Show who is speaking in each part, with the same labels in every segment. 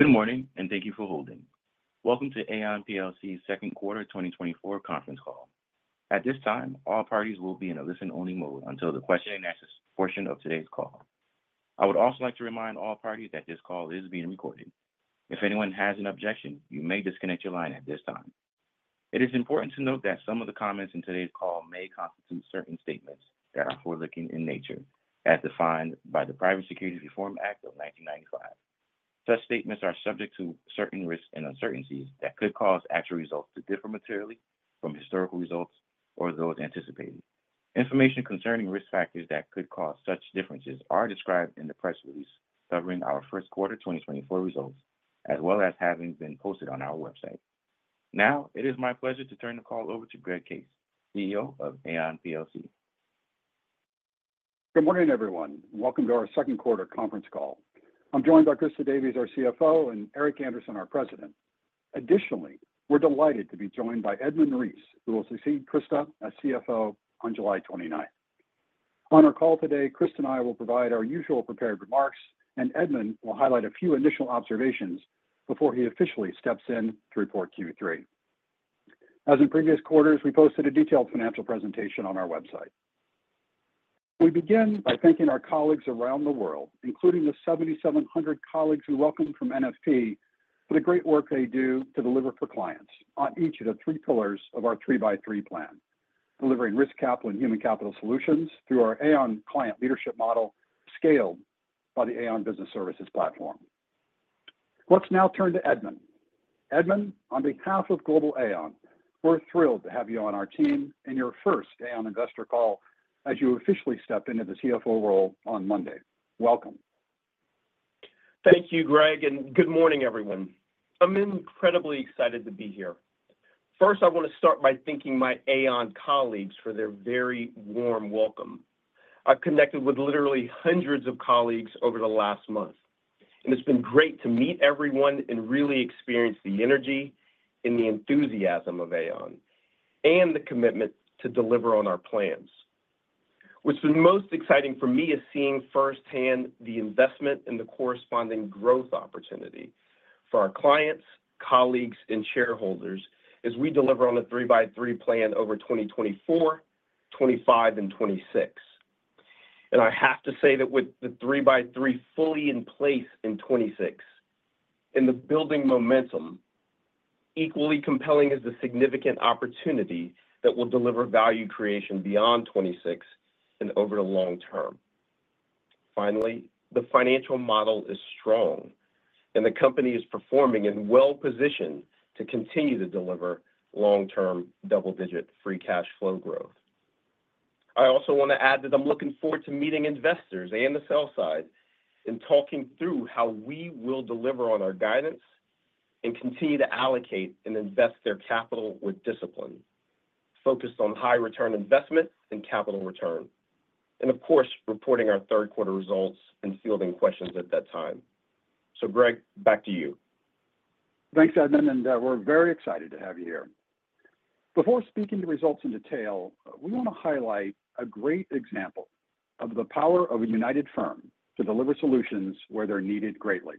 Speaker 1: Good morning, and thank you for holding. Welcome to Aon plc's second quarter 2024 conference call. At this time, all parties will be in a listen-only mode until the question and answer portion of today's call. I would also like to remind all parties that this call is being recorded. If anyone has an objection, you may disconnect your line at this time. It is important to note that some of the comments in today's call may constitute certain statements that are forward-looking in nature, as defined by the Private Securities Litigation Reform Act of 1995. Such statements are subject to certain risks and uncertainties that could cause actual results to differ materially from historical results or those anticipated. Information concerning risk factors that could cause such differences are described in the press release covering our first quarter 2024 results, as well as having been posted on our website. Now, it is my pleasure to turn the call over to Greg Case, CEO of Aon plc.
Speaker 2: Good morning, everyone. Welcome to our second quarter conference call. I'm joined by Christa Davies, our CFO, and Eric Andersen, our President. Additionally, we're delighted to be joined by Edmund Reese, who will succeed Christa as CFO on July 29th. On our call today, Christa and I will provide our usual prepared remarks, and Edmund will highlight a few initial observations before he officially steps in to report Q3. As in previous quarters, we posted a detailed financial presentation on our website. We begin by thanking our colleagues around the world, including the 7,700 colleagues we welcome from NFP, for the great work they do to deliver for clients on each of the three pillars of our 3x3 Plan: delivering Risk Capital and Human Capital solutions through our Aon Client Leadership model scaled by the Aon Business Services platform. Let's now turn to Edmund. Edmund, on behalf of Global Aon, we're thrilled to have you on our team and your first Aon investor call as you officially step into the CFO role on Monday. Welcome.
Speaker 3: Thank you, Greg, and good morning, everyone. I'm incredibly excited to be here. First, I want to start by thanking my Aon colleagues for their very warm welcome. I've connected with literally hundreds of colleagues over the last month, and it's been great to meet everyone and really experience the energy and the enthusiasm of Aon and the commitment to deliver on our plans. What's been most exciting for me is seeing firsthand the investment and the corresponding growth opportunity for our clients, colleagues, and shareholders as we deliver on the 3x3 Plan over 2024, 2025, and 2026. And I have to say that with the 3x3 fully in place in 2026 and the building momentum, equally compelling is the significant opportunity that will deliver value creation beyond 2026 and over the long term. Finally, the financial model is strong, and the company is performing and well-positioned to continue to deliver long-term double-digit free cash flow growth. I also want to add that I'm looking forward to meeting investors and the sell side and talking through how we will deliver on our guidance and continue to allocate and invest their capital with discipline, focused on high-return investment and capital return, and of course, reporting our third quarter results and fielding questions at that time. So, Greg, back to you.
Speaker 2: Thanks, Edmund, and we're very excited to have you here. Before speaking the results in detail, we want to highlight a great example of the power of a united firm to deliver solutions where they're needed greatly.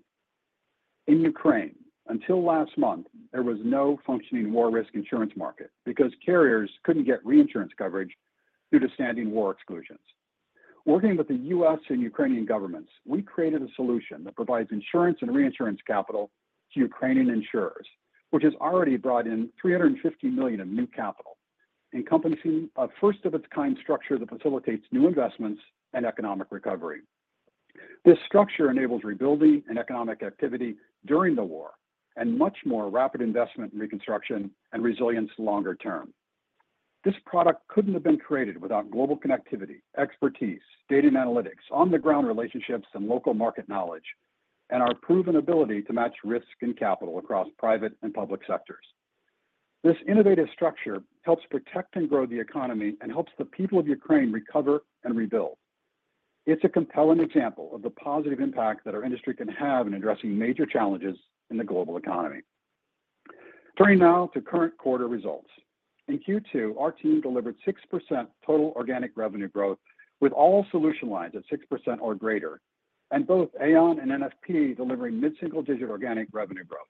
Speaker 2: In Ukraine, until last month, there was no functioning war risk insurance market because carriers couldn't get Reinsurance coverage due to standing war exclusions. Working with the U.S. and Ukrainian governments, we created a solution that provides insurance and Reinsurance capital to Ukrainian insurers, which has already brought in $350 million of new capital, encompassing a first-of-its-kind structure that facilitates new investments and economic recovery. This structure enables rebuilding and economic activity during the war and much more rapid investment reconstruction and resilience longer term. This product couldn't have been created without global connectivity, expertise, data and analytics, on-the-ground relationships, and local market knowledge, and our proven ability to match risk and capital across private and public sectors. This innovative structure helps protect and grow the economy and helps the people of Ukraine recover and rebuild. It's a compelling example of the positive impact that our industry can have in addressing major challenges in the global economy. Turning now to current quarter results. In Q2, our team delivered 6% total organic revenue growth with all solution lines at 6% or greater, and both Aon and NFP delivering mid-single-digit organic revenue growth.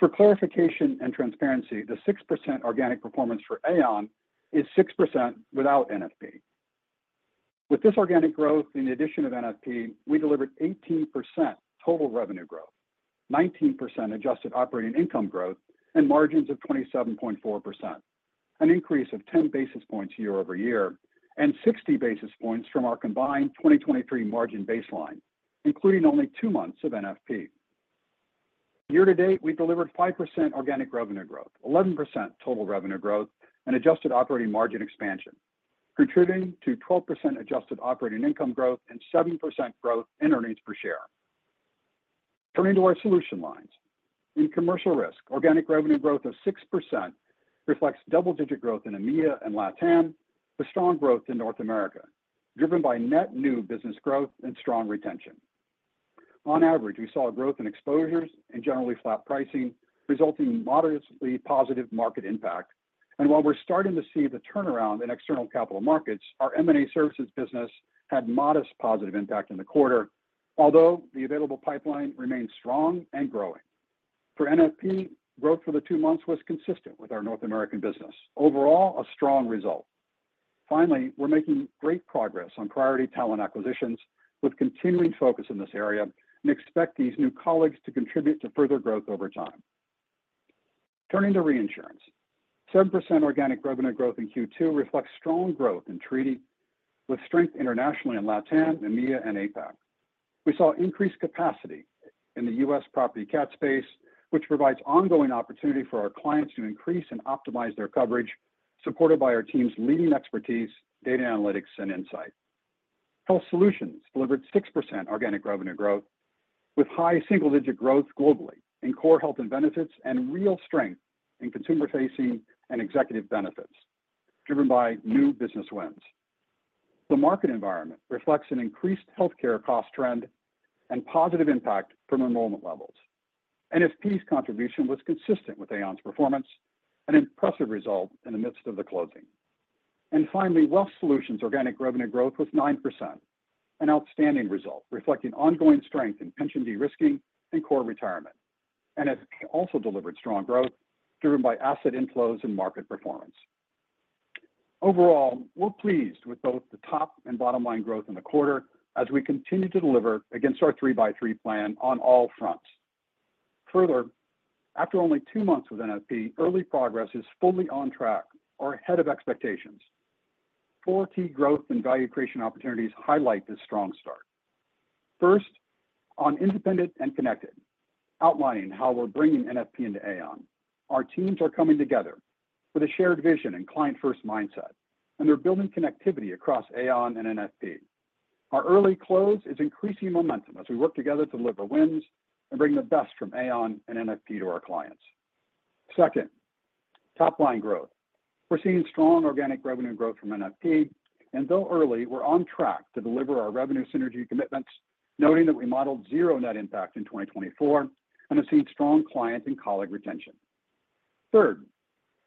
Speaker 2: For clarification and transparency, the 6% organic performance for Aon is 6% without NFP. With this organic growth, in addition to NFP, we delivered 18% total revenue growth, 19% adjusted operating income growth, and margins of 27.4%, an increase of 10 basis points year-over-year and 60 basis points from our combined 2023 margin baseline, including only two months of NFP. Year-to-date, we delivered 5% organic revenue growth, 11% total revenue growth, and adjusted operating margin expansion, contributing to 12% adjusted operating income growth and 7% growth in earnings per share. Turning to our solution lines, in Commercial Risk, organic revenue growth of 6% reflects double-digit growth in EMEA and LATAM, with strong growth in North America, driven by net new business growth and strong retention. On average, we saw growth in exposures and generally flat pricing, resulting in modestly positive market impact. While we're starting to see the turnaround in external capital markets, our M&A services business had modest positive impact in the quarter, although the available pipeline remained strong and growing. For NFP, growth for the two months was consistent with our North American business. Overall, a strong result. Finally, we're making great progress on priority talent acquisitions, with continuing focus in this area, and expect these new colleagues to contribute to further growth over time. Turning to reinsurance, 7% organic revenue growth in Q2 reflects strong growth in treaty with strength internationally in LATAM, EMEA, and APAC. We saw increased capacity in the U.S. Property Cat space, which provides ongoing opportunity for our clients to increase and optimize their coverage, supported by our team's leading expertise, data analytics, and insight. Health Solutions delivered 6% organic revenue growth, with high single-digit growth globally in core Health and benefits and real strength in consumer-facing and executive benefits, driven by new business wins. The market environment reflects an increased Healthcare cost trend and positive impact from enrollment levels. NFP's contribution was consistent with Aon's performance, an impressive result in the midst of the closing. And finally, Wealth Solutions' organic revenue growth was 9%, an outstanding result reflecting ongoing strength in pension derisking and core retirement. NFP also delivered strong growth, driven by asset inflows and market performance. Overall, we're pleased with both the top and bottom line growth in the quarter as we continue to deliver against our 3x3 Plan on all fronts. Further, after only two months with NFP, early progress is fully on track or ahead of expectations. Four key growth and value creation opportunities highlight this strong start. First, on independent and connected, outlining how we're bringing NFP into Aon, our teams are coming together with a shared vision and client-first mindset, and they're building connectivity across Aon and NFP. Our early close is increasing momentum as we work together to deliver wins and bring the best from Aon and NFP to our clients. Second, top-line growth. We're seeing strong organic revenue growth from NFP, and though early, we're on track to deliver our revenue synergy commitments, noting that we modeled zero net impact in 2024 and have seen strong client and colleague retention. Third,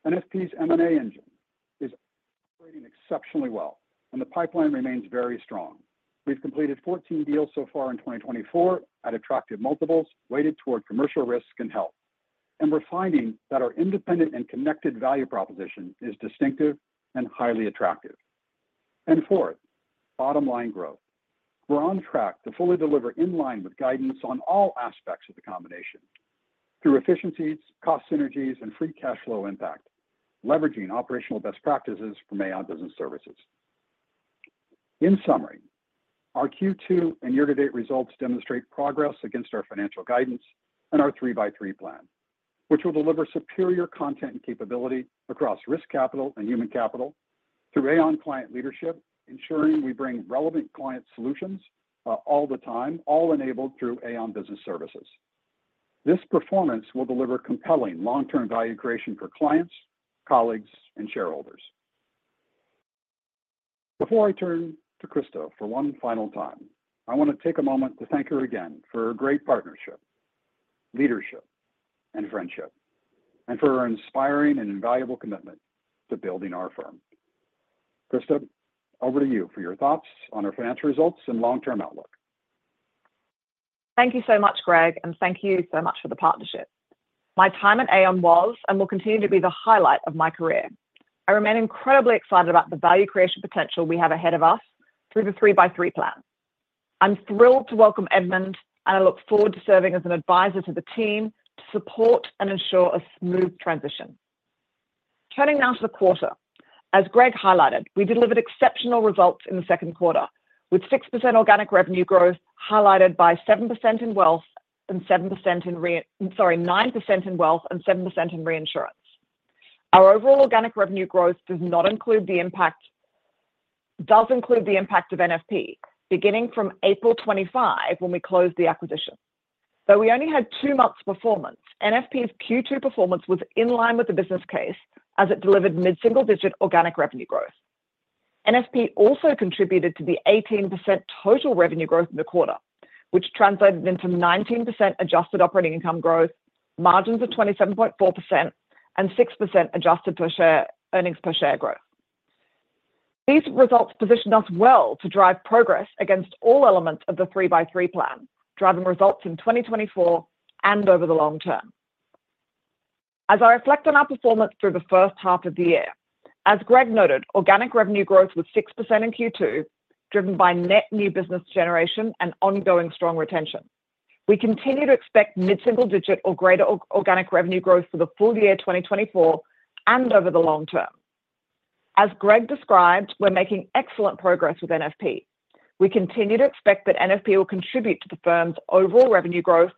Speaker 2: NFP's M&A engine is operating exceptionally well, and the pipeline remains very strong. We've completed 14 deals so far in 2024 at attractive multiples, weighted toward Commercial Risk and Health, and we're finding that our independent and connected value proposition is distinctive and highly attractive. And fourth, bottom-line growth. We're on track to fully deliver in line with guidance on all aspects of the combination through efficiencies, cost synergies, and free cash flow impact, leveraging operational best practices from Aon Business Services. In summary, our Q2 and year-to-date results demonstrate progress against our financial guidance and our 3x3 Plan, which will deliver superior content and capability across Risk Capital and Human Capital through Aon Client Leadership, ensuring we bring relevant client solutions all the time, all enabled through Aon Business Services. This performance will deliver compelling long-term value creation for clients, colleagues, and shareholders. Before I turn to Christa for one final time, I want to take a moment to thank her again for her great partnership, leadership, and friendship, and for her inspiring and invaluable commitment to building our firm. Christa, over to you for your thoughts on our financial results and long-term outlook.
Speaker 4: Thank you so much, Greg, and thank you so much for the partnership. My time at Aon was and will continue to be the highlight of my career. I remain incredibly excited about the value creation potential we have ahead of us through the 3x3 Plan. I'm thrilled to welcome Edmund, and I look forward to serving as an advisor to the team to support and ensure a smooth transition. Turning now to the quarter, as Greg highlighted, we delivered exceptional results in the second quarter, with 6% organic revenue growth highlighted by 7% in Wealth and 7% in, sorry, 9% in Wealth and 7% in reinsurance. Our overall organic revenue growth does not include the impact of NFP, beginning from April 2025 when we closed the acquisition. Though we only had two months' performance, NFP's Q2 performance was in line with the business case as it delivered mid-single-digit organic revenue growth. NFP also contributed to the 18% total revenue growth in the quarter, which translated into 19% adjusted operating income growth, margins of 27.4%, and 6% adjusted per share earnings per share growth. These results positioned us well to drive progress against all elements of the 3x3 Plan, driving results in 2024 and over the long term. As I reflect on our performance through the first half of the year, as Greg noted, organic revenue growth was 6% in Q2, driven by net new business generation and ongoing strong retention. We continue to expect mid-single-digit or greater organic revenue growth for the full year 2024 and over the long term. As Greg described, we're making excellent progress with NFP. We continue to expect that NFP will contribute to the firm's overall revenue growth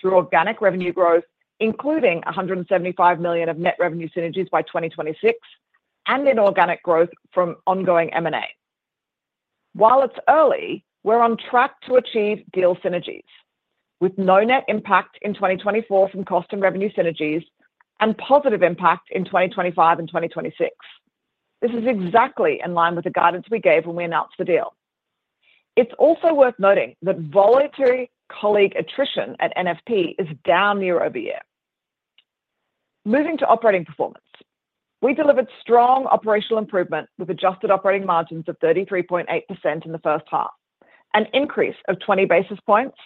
Speaker 4: through organic revenue growth, including $175 million of net revenue synergies by 2026 and in organic growth from ongoing M&A. While it's early, we're on track to achieve deal synergies, with no net impact in 2024 from cost and revenue synergies and positive impact in 2025 and 2026. This is exactly in line with the guidance we gave when we announced the deal. It's also worth noting that voluntary colleague attrition at NFP is down year over year. Moving to operating performance, we delivered strong operational improvement with adjusted operating margins of 33.8% in the first half, an increase of 20 basis points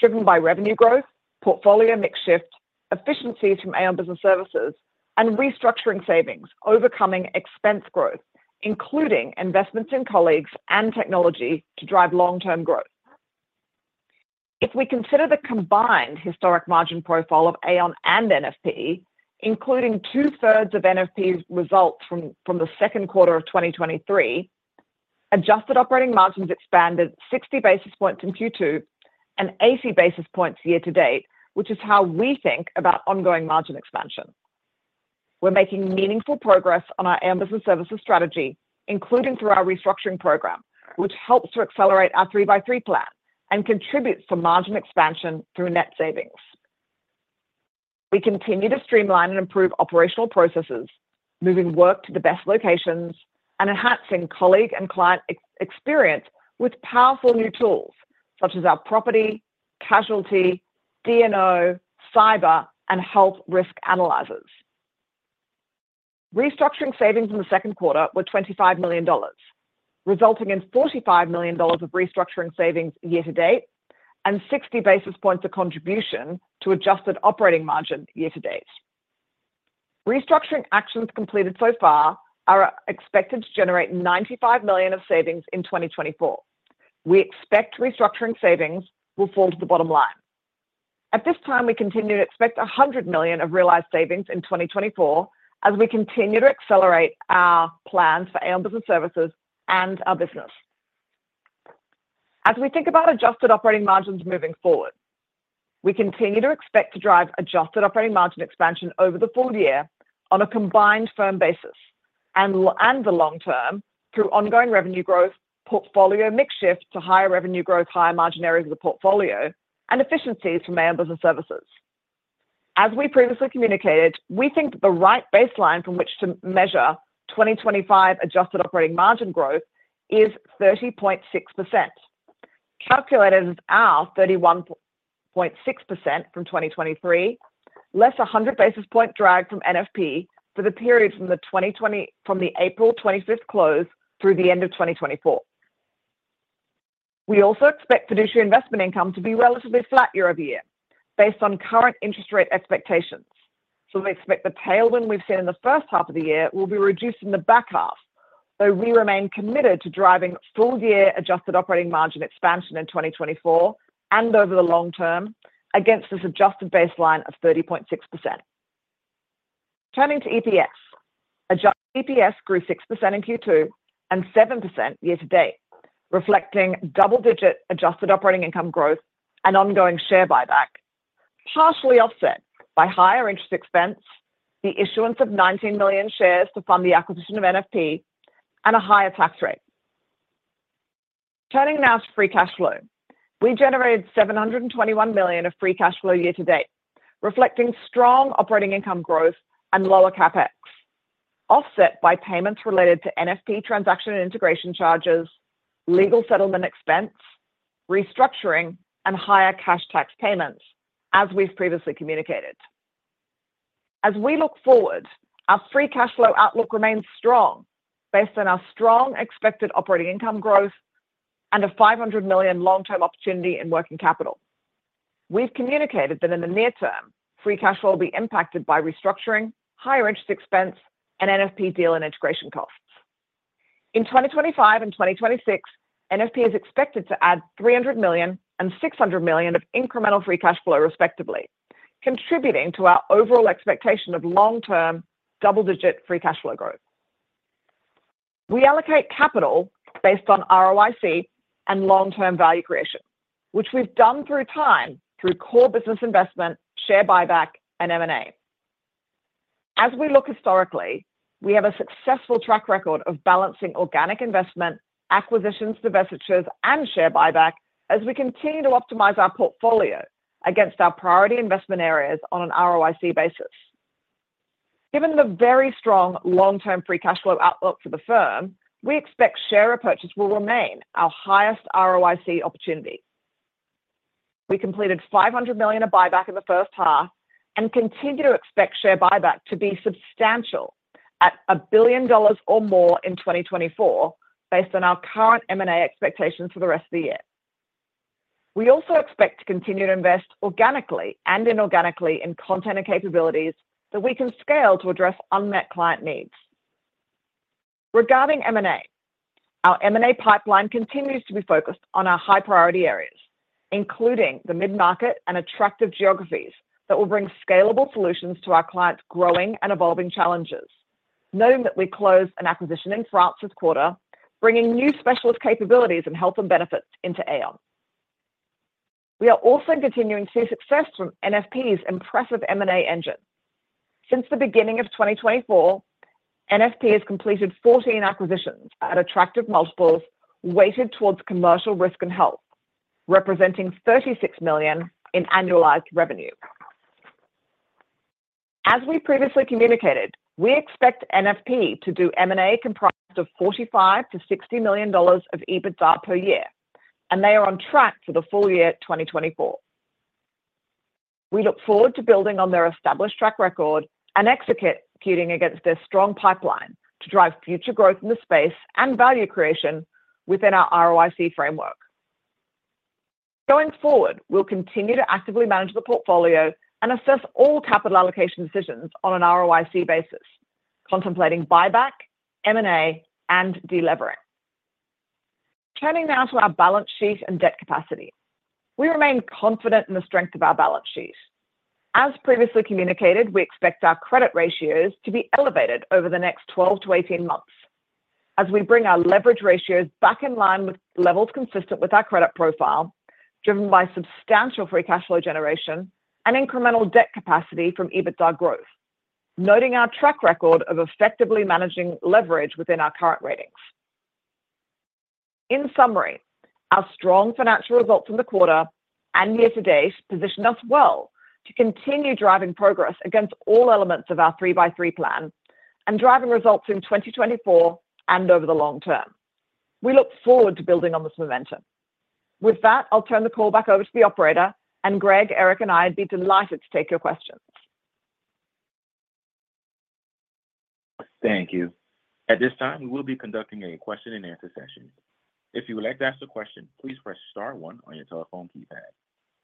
Speaker 4: driven by revenue growth, portfolio mix shift, efficiencies from Aon Business Services, and restructuring savings, overcoming expense growth, including investments in colleagues and technology to drive long-term growth. If we consider the combined historic margin profile of Aon and NFP, including two-thirds of NFP's results from the second quarter of 2023, adjusted operating margins expanded 60 basis points in Q2 and 80 basis points year to date, which is how we think about ongoing margin expansion. We're making meaningful progress on our Aon Business Services strategy, including through our restructuring program, which helps to accelerate our 3x3 Plan and contributes to margin expansion through net savings. We continue to streamline and improve operational processes, moving work to the best locations and enhancing colleague and client experience with powerful new tools such as our property, casualty, D&O, cyber, and Health Risk Analyzers. Restructuring savings in the second quarter were $25 million, resulting in $45 million of restructuring savings year to date and 60 basis points of contribution to adjusted operating margin year to date. Restructuring actions completed so far are expected to generate $95 million of savings in 2024. We expect restructuring savings will fall to the bottom line. At this time, we continue to expect $100 million of realized savings in 2024 as we continue to accelerate our plans for Aon Business Services and our business. As we think about adjusted operating margins moving forward, we continue to expect to drive adjusted operating margin expansion over the full year on a combined firm basis and the long term through ongoing revenue growth, portfolio mix shift to higher revenue growth, higher margin areas of the portfolio, and efficiencies from Aon Business Services. As we previously communicated, we think that the right baseline from which to measure 2025 adjusted operating margin growth is 30.6%, calculated as our 31.6% from 2023, less 100 basis point drag from NFP for the period from the April 25th close through the end of 2024. We also expect fiduciary investment income to be relatively flat year over year based on current interest rate expectations. So we expect the tailwind we've seen in the first half of the year will be reduced in the back half, though we remain committed to driving full-year adjusted operating margin expansion in 2024 and over the long term against this adjusted baseline of 30.6%. Turning to EPS, adjusted EPS grew 6% in Q2 and 7% year to date, reflecting double-digit adjusted operating income growth and ongoing share buyback, partially offset by higher interest expense, the issuance of 19 million shares to fund the acquisition of NFP, and a higher tax rate. Turning now to free cash flow, we generated $721 million of free cash flow year to date, reflecting strong operating income growth and lower CapEx, offset by payments related to NFP transaction and integration charges, legal settlement expense, restructuring, and higher cash tax payments, as we've previously communicated. As we look forward, our free cash flow outlook remains strong based on our strong expected operating income growth and a $500 million long-term opportunity in working capital. We've communicated that in the near term, free cash flow will be impacted by restructuring, higher interest expense, and NFP deal and integration costs. In 2025 and 2026, NFP is expected to add $300 million and $600 million of incremental free cash flow, respectively, contributing to our overall expectation of long-term double-digit free cash flow growth. We allocate capital based on ROIC and long-term value creation, which we've done through time through core business investment, share buyback, and M&A. As we look historically, we have a successful track record of balancing organic investment, acquisitions, divestitures, and share buyback as we continue to optimize our portfolio against our priority investment areas on an ROIC basis. Given the very strong long-term free cash flow outlook for the firm, we expect share repurchase will remain our highest ROIC opportunity. We completed $500 million of buyback in the first half and continue to expect share buyback to be substantial at $1 billion or more in 2024 based on our current M&A expectations for the rest of the year. We also expect to continue to invest organically and inorganically in content and capabilities that we can scale to address unmet client needs. Regarding M&A, our M&A pipeline continues to be focused on our high priority areas, including the mid-market and attractive geographies that will bring scalable solutions to our clients' growing and evolving challenges, knowing that we closed an acquisition in France this quarter, bringing new specialist capabilities and Health and benefits into Aon. We are also continuing to see success from NFP's impressive M&A engine. Since the beginning of 2024, NFP has completed 14 acquisitions at attractive multiples weighted towards Commercial Risk and Health, representing $36 million in annualized revenue. As we previously communicated, we expect NFP to do M&A comprised of $45-$60 million of EBITDA per year, and they are on track for the full year 2024. We look forward to building on their established track record and executing against their strong pipeline to drive future growth in the space and value creation within our ROIC framework. Going forward, we'll continue to actively manage the portfolio and assess all capital allocation decisions on an ROIC basis, contemplating buyback, M&A, and delevering. Turning now to our balance sheet and debt capacity, we remain confident in the strength of our balance sheet. As previously communicated, we expect our credit ratios to be elevated over the next 12-18 months as we bring our leverage ratios back in line with levels consistent with our credit profile, driven by substantial free cash flow generation and incremental debt capacity from EBITDA growth, noting our track record of effectively managing leverage within our current ratings. In summary, our strong financial results in the quarter and year to date positioned us well to continue driving progress against all elements of our 3x3 Plan and driving results in 2024 and over the long term. We look forward to building on this momentum. With that, I'll turn the call back over to the operator, and Greg, Eric, and I would be delighted to take your questions.
Speaker 1: Thank you. At this time, we will be conducting a question-and-answer session. If you would like to ask a question, please press Star 1 on your telephone keypad.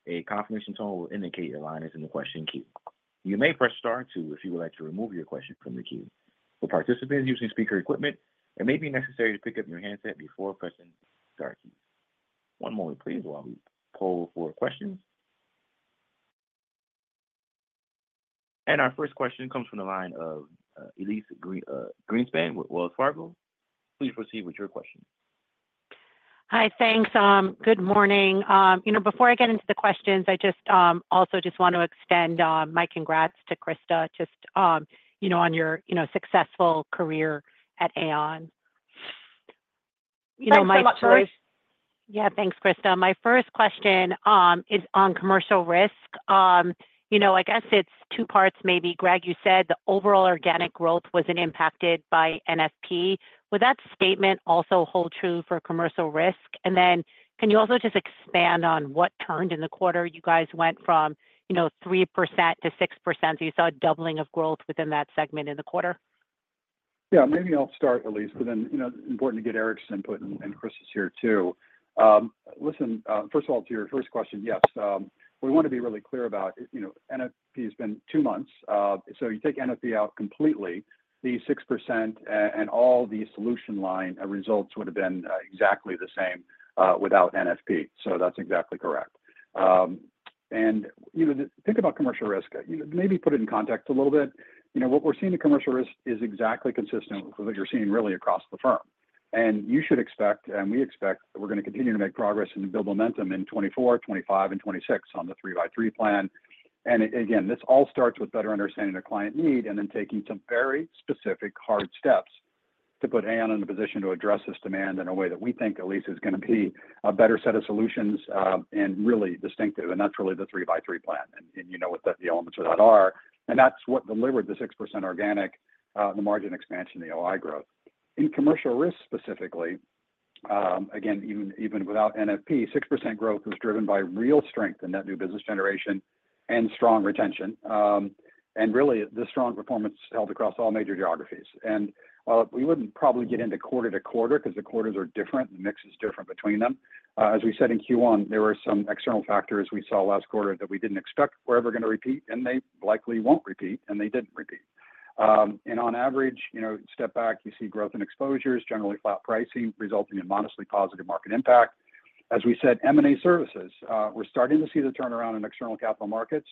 Speaker 1: A confirmation tone will indicate your line is in the question queue. You may press Star 2 if you would like to remove your question from the queue. For participants using speaker equipment, it may be necessary to pick up your handset before pressing the Star key. One moment, please, while we poll for questions. Our first question comes from the line of Elyse Greenspan with Wells Fargo. Please proceed with your question.
Speaker 5: Hi, thanks. Good morning. Before I get into the questions, I just also just want to extend my congrats to Christa just on your successful career at Aon.
Speaker 4: Thanks so much, Elyse.
Speaker 5: Yeah, thanks, Christa. My first question is on Commercial Risk. I guess it's two parts, maybe. Greg, you said the overall organic growth wasn't impacted by NFP. Would that statement also hold true for Commercial Risk? And then can you also just expand on what turned in the quarter? You guys went from 3%-6%. You saw a doubling of growth within that segment in the quarter.
Speaker 2: Yeah, maybe I'll start, Elyse, but then it's important to get Eric's input, and Christa's here too. Listen, first of all, to your first question, yes, we want to be really clear about NFP has been two months. So you take NFP out completely, the 6% and all the solution line results would have been exactly the same without NFP. So that's exactly correct. And think about Commercial Risk. Maybe put it in context a little bit. What we're seeing in Commercial Risk is exactly consistent with what you're seeing really across the firm. And you should expect, and we expect, that we're going to continue to make progress and build momentum in 2024, 2025, and 2026 on the 3x3 Plan. And again, this all starts with better understanding the client need and then taking some very specific hard steps to put Aon in a position to address this demand in a way that we think, at least, is going to be a better set of solutions and really distinctive. And that's really the 3x3 Plan. And you know what the elements of that are. And that's what delivered the 6% organic, the margin expansion, the OI growth. In Commercial Risk specifically, again, even without NFP, 6% growth was driven by real strength in that new business generation and strong retention. And really, the strong performance held across all major geographies. And while we wouldn't probably get into quarter to quarter because the quarters are different and the mix is different between them, as we said in Q1, there were some external factors we saw last quarter that we didn't expect were ever going to repeat, and they likely won't repeat, and they didn't repeat. And on average, step back, you see growth in exposures, generally flat pricing, resulting in modestly positive market impact. As we said, M&A services, we're starting to see the turnaround in external capital markets,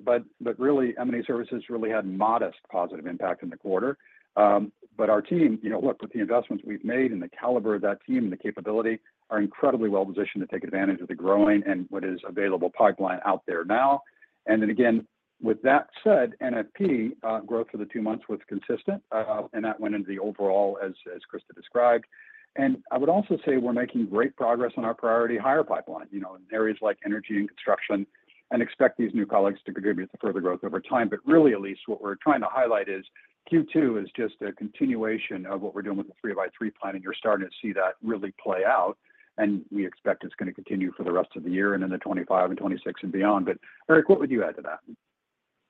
Speaker 2: but really, M&A services really had modest positive impact in the quarter. But our team, look, with the investments we've made and the caliber of that team and the capability, are incredibly well positioned to take advantage of the growing and what is available pipeline out there now. Then again, with that said, NFP growth for the two months was consistent, and that went into the overall, as Christa described. I would also say we're making great progress on our priority hire pipeline in areas like energy and construction and expect these new colleagues to contribute to further growth over time. But really, Elyse, what we're trying to highlight is Q2 is just a continuation of what we're doing with the 3x3 plan, and you're starting to see that really play out. We expect it's going to continue for the rest of the year and in the 2025 and 2026 and beyond. But Eric, what would you add to that?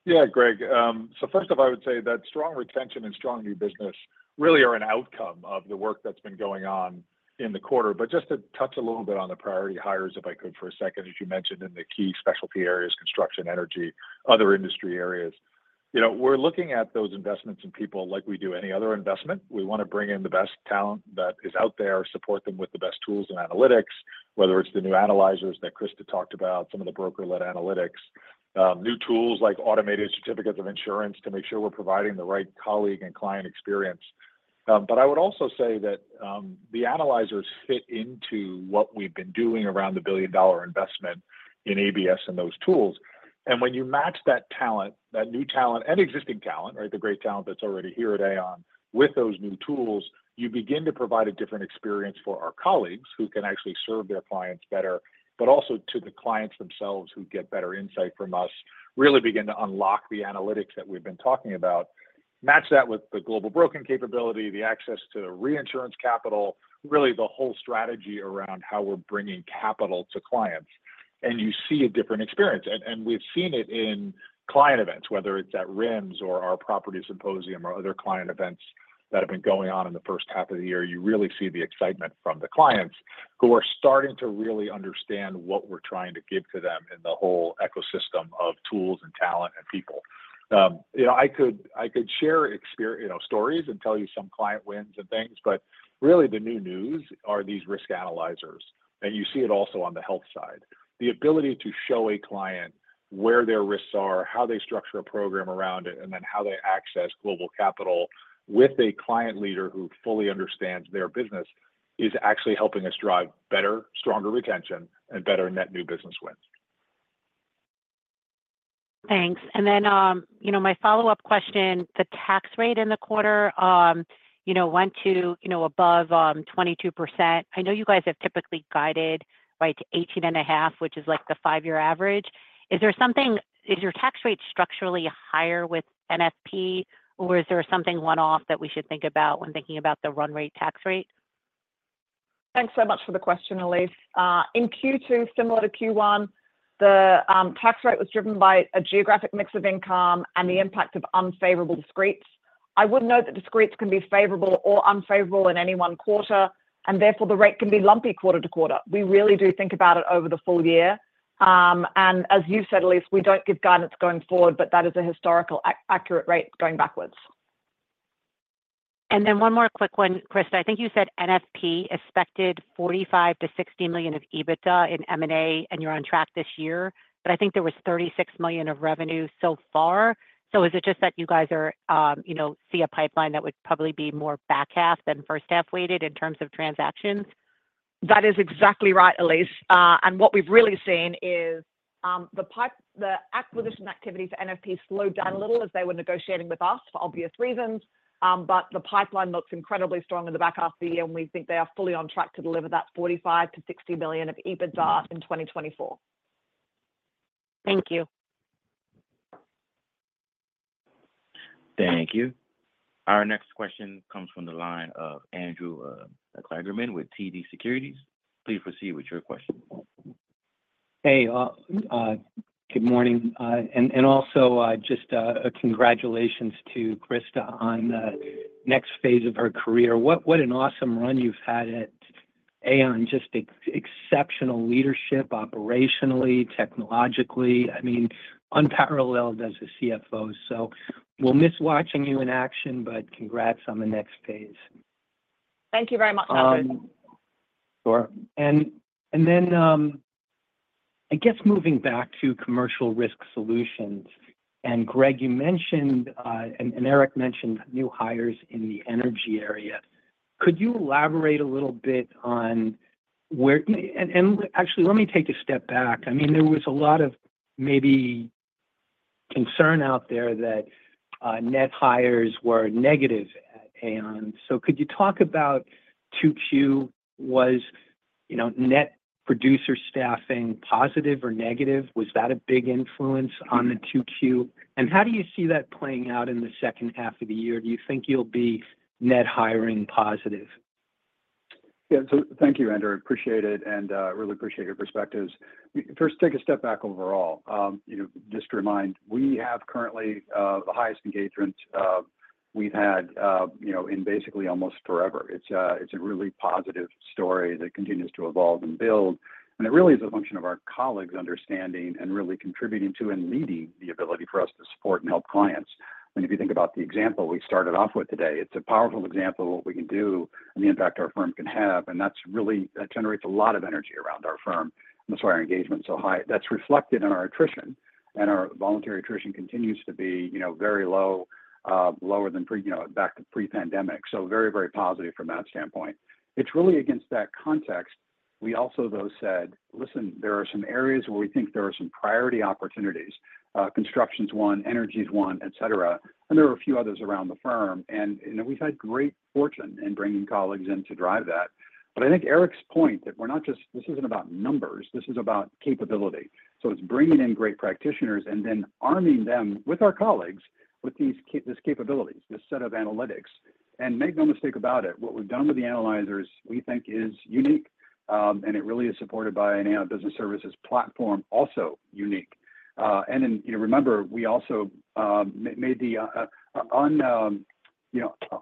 Speaker 6: Yeah, Greg. So first off, I would say that strong retention and strong new business really are an outcome of the work that's been going on in the quarter. But just to touch a little bit on the priority hires, if I could, for a second, as you mentioned in the key specialty areas, construction, energy, other industry areas. We're looking at those investments in people like we do any other investment. We want to bring in the best talent that is out there, support them with the best tools and analytics, whether it's the new analyzers that Christa talked about, some of the broker-led analytics, new tools like automated certificates of insurance to make sure we're providing the right colleague and client experience. But I would also say that the analyzers fit into what we've been doing around the billion-dollar investment in ABS and those tools. And when you match that talent, that new talent and existing talent, the great talent that's already here at Aon, with those new tools, you begin to provide a different experience for our colleagues who can actually serve their clients better, but also to the clients themselves who get better insight from us, really begin to unlock the analytics that we've been talking about, match that with the global brokering capability, the access to Reinsurance capital, really the whole strategy around how we're bringing capital to clients. And you see a different experience. And we've seen it in client events, whether it's at RIMS or our Property Symposium or other client events that have been going on in the first half of the year. You really see the excitement from the clients who are starting to really understand what we're trying to give to them in the whole ecosystem of tools and talent and people. I could share stories and tell you some client wins and things, but really the new news are these Risk Analyzers. And you see it also on the Health side. The ability to show a client where their risks are, how they structure a program around it, and then how they access global capital with a client leader who fully understands their business is actually helping us drive better, stronger retention, and better net new business wins.
Speaker 5: Thanks. And then my follow-up question, the tax rate in the quarter went to above 22%. I know you guys have typically guided to 18.5%, which is like the five-year average. Is your tax rate structurally higher with NFP, or is there something one-off that we should think about when thinking about the run rate tax rate?
Speaker 4: Thanks so much for the question, Elyse. In Q2, similar to Q1, the tax rate was driven by a geographic mix of income and the impact of unfavorable discrete. I would note that discretes can be favorable or unfavorable in any one quarter, and therefore the rate can be lumpy quarter to quarter. We really do think about it over the full year. As you said, Elyse, we don't give guidance going forward, but that is a historically accurate rate going backwards.
Speaker 5: And then one more quick one, Christa. I think you said NFP expected $45 million-$60 million of EBITDA in M&A, and you're on track this year. But I think there was $36 million of revenue so far. So is it just that you guys see a pipeline that would probably be more back half than first half weighted in terms of transactions?
Speaker 4: That is exactly right, Elyse. And what we've really seen is the acquisition activities for NFP slowed down a little as they were negotiating with us for obvious reasons. But the pipeline looks incredibly strong in the back half of the year, and we think they are fully on track to deliver that $45 million-$60 million of EBITDA in 2024.
Speaker 5: Thank you.
Speaker 1: Thank you. Our next question comes from the line of Andrew Kligerman with TD Securities. Please proceed with your question.
Speaker 7: Hey, good morning. Also, just congratulations to Christa on the next phase of her career. What an awesome run you've had at Aon. Just exceptional leadership operationally, technologically. I mean, unparalleled as a CFO. So we'll miss watching you in action, but congrats on the next phase.
Speaker 4: Thank you very much, Andrew.
Speaker 7: Sure. And then I guess moving back to Commercial Risk solutions. And Greg, you mentioned, and Eric mentioned new hires in the energy area. Could you elaborate a little bit on where, and actually, let me take a step back. I mean, there was a lot of maybe concern out there that net hires were negative at Aon. So could you talk about Q2? Was net producer staffing positive or negative? Was that a big influence on the Q2? And how do you see that playing out in the second half of the year? Do you think you'll be net hiring positive?
Speaker 2: Yeah. So thank you, Andrew. I appreciate it and really appreciate your perspectives. First, take a step back overall. Just to remind, we have currently the highest engagement we've had in basically almost forever. It's a really positive story that continues to evolve and build. And it really is a function of our colleagues understanding and really contributing to and leading the ability for us to support and help clients. And if you think about the example we started off with today, it's a powerful example of what we can do and the impact our firm can have. And that generates a lot of energy around our firm. That's why our engagement's so high. That's reflected in our attrition. And our voluntary attrition continues to be very low, lower than back to pre-pandemic. So very, very positive from that standpoint. It's really against that context. We also, though, said, "Listen, there are some areas where we think there are some priority opportunities: construction's one, energy's one, etc." And there are a few others around the firm. And we've had great fortune in bringing colleagues in to drive that. But I think Eric's point that we're not just—this isn't about numbers. This is about capability. So it's bringing in great practitioners and then arming them with our colleagues with this capability, this set of analytics. And make no mistake about it, what we've done with the analyzers, we think, is unique. And it really is supported by an Aon Business Services platform, also unique. And then remember, we also made the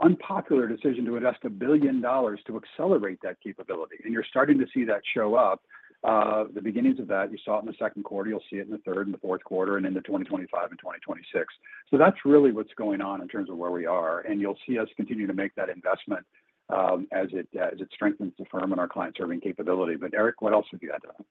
Speaker 2: unpopular decision to invest $1 billion to accelerate that capability. And you're starting to see that show up. The beginnings of that, you saw it in the second quarter. You'll see it in the third and the fourth quarter and into 2025 and 2026. So that's really what's going on in terms of where we are. And you'll see us continue to make that investment as it strengthens the firm and our client-serving capability. But Eric, what else would you add to that?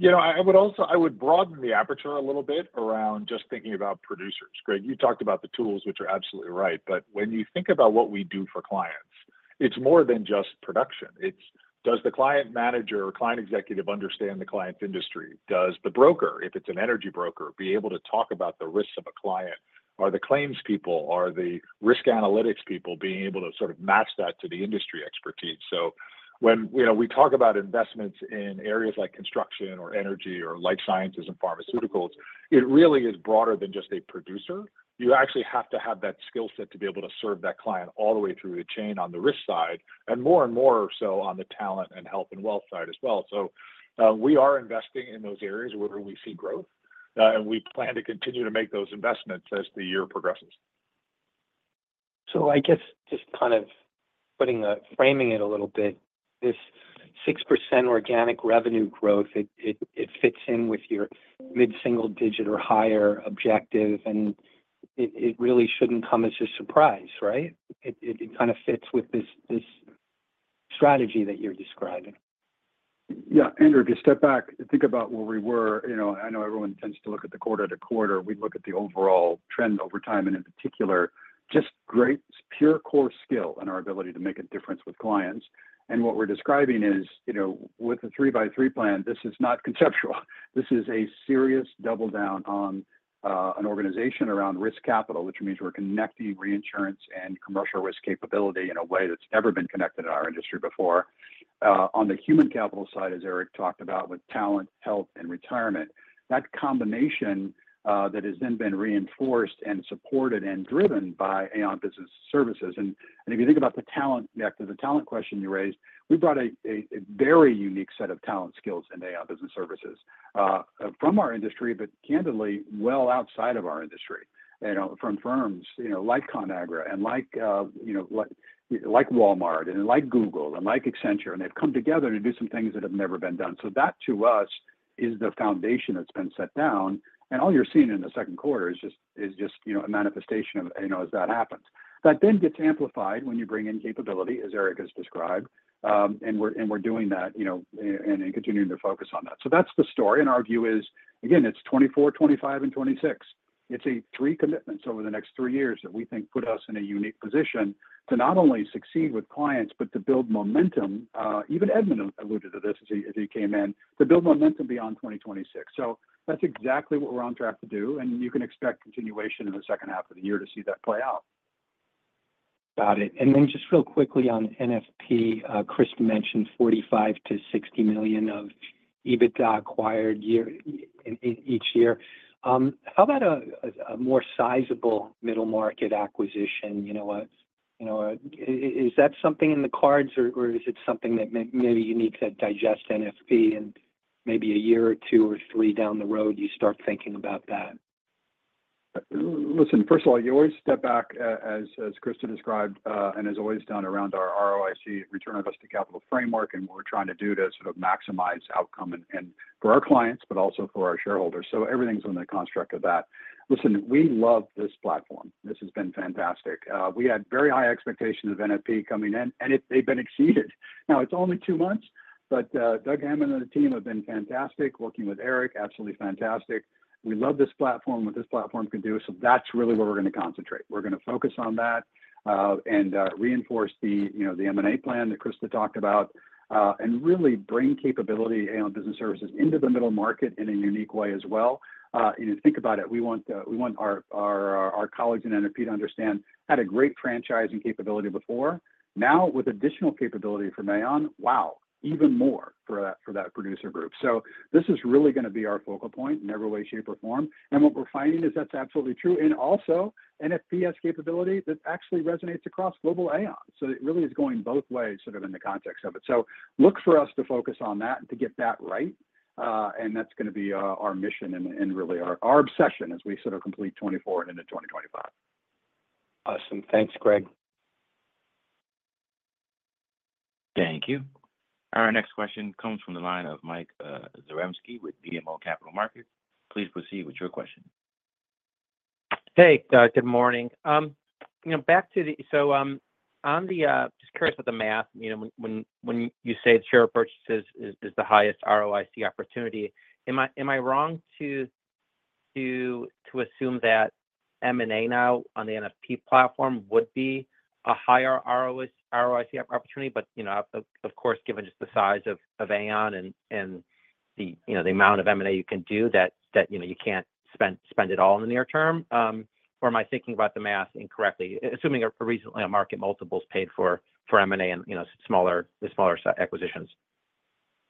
Speaker 6: I would broaden the aperture a little bit around just thinking about producers. Greg, you talked about the tools, which are absolutely right. When you think about what we do for clients, it's more than just production. Does the client manager or client executive understand the client's industry? Does the broker, if it's an energy broker, be able to talk about the risks of a client? Are the claims people, are the risk analytics people being able to sort of match that to the industry expertise? So when we talk about investments in areas like construction or energy or life sciences and pharmaceuticals, it really is broader than just a producer. You actually have to have that skill set to be able to serve that client all the way through the chain on the risk side and more and more so on the talent and Health and Wealth side as well. So we are investing in those areas where we see growth. And we plan to continue to make those investments as the year progresses.
Speaker 7: I guess just kind of framing it a little bit, this 6% organic revenue growth, it fits in with your mid-single-digit or higher objective. It really shouldn't come as a surprise, right? It kind of fits with this strategy that you're describing.
Speaker 2: Yeah. Andrew, if you step back and think about where we were, I know everyone tends to look at the quarter to quarter. We look at the overall trend over time. And in particular, just great pure core skill and our ability to make a difference with clients. And what we're describing is with the 3x3 Plan, this is not conceptual. This is a serious double down on an organization around Risk Capital, which means we're connecting Reinsurance and Commercial Risk capability in a way that's never been connected in our industry before. On the Human Capital side, as Eric talked about with talent, Health, and retirement, that combination that has then been reinforced and supported and driven by Aon Business Services. And if you think about the talent, the talent question you raised, we brought a very unique set of talent skills into Aon Business Services from our industry, but candidly, well outside of our industry, from firms like Conagra and like Walmart and like Google and like Accenture. And they've come together to do some things that have never been done. So that to us is the foundation that's been set down. And all you're seeing in the second quarter is just a manifestation of as that happens. That then gets amplified when you bring in capability, as Eric has described. And we're doing that and continuing to focus on that. So that's the story. And our view is, again, it's 2024, 2025, and 2026. It's three commitments over the next three years that we think put us in a unique position to not only succeed with clients, but to build momentum. Even Edmund alluded to this as he came in, to build momentum beyond 2026. So that's exactly what we're on track to do. And you can expect continuation in the second half of the year to see that play out.
Speaker 7: Got it. And then just real quickly on NFP, Chris mentioned $45 million-$60 million of EBITDA acquired each year. How about a more sizable middle market acquisition? Is that something in the cards, or is it something that maybe you need to digest NFP and maybe a year or two or three down the road you start thinking about that?
Speaker 2: Listen, first of all, you always step back, as Christa described, and has always done around our ROIC, return on invested capital framework, and what we're trying to do to sort of maximize outcome for our clients, but also for our shareholders. So everything's on the construct of that. Listen, we love this platform. This has been fantastic. We had very high expectations of NFP coming in, and they've been exceeded. Now, it's only two months, but Doug Hammond and the team have been fantastic. Working with Eric, absolutely fantastic. We love this platform, what this platform can do. So that's really where we're going to concentrate. We're going to focus on that and reinforce the M&A plan that Christa talked about and really bring capability in Aon Business Services into the middle market in a unique way as well. Think about it. We want our colleagues in NFP to understand, had a great franchising capability before. Now, with additional capability from Aon, wow, even more for that producer group. So this is really going to be our focal point in every way, shape, or form. And what we're finding is that's absolutely true. And also, NFP has capability that actually resonates across global Aon. So it really is going both ways sort of in the context of it. So look for us to focus on that and to get that right. And that's going to be our mission and really our obsession as we sort of complete 2024 and into 2025.
Speaker 7: Awesome. Thanks, Greg.
Speaker 1: Thank you. Our next question comes from the line of Mike Zaremski with BMO Capital Markets. Please proceed with your question.
Speaker 8: Hey, good morning. Back to the—so, I'm just curious about the math. When you say the share purchase is the highest ROIC opportunity, am I wrong to assume that M&A now on the NFP platform would be a higher ROIC opportunity? But of course, given just the size of Aon and the amount of M&A you can do that you can't spend it all in the near term, or am I thinking about the math incorrectly, assuming recent market multiples paid for M&A and smaller acquisitions?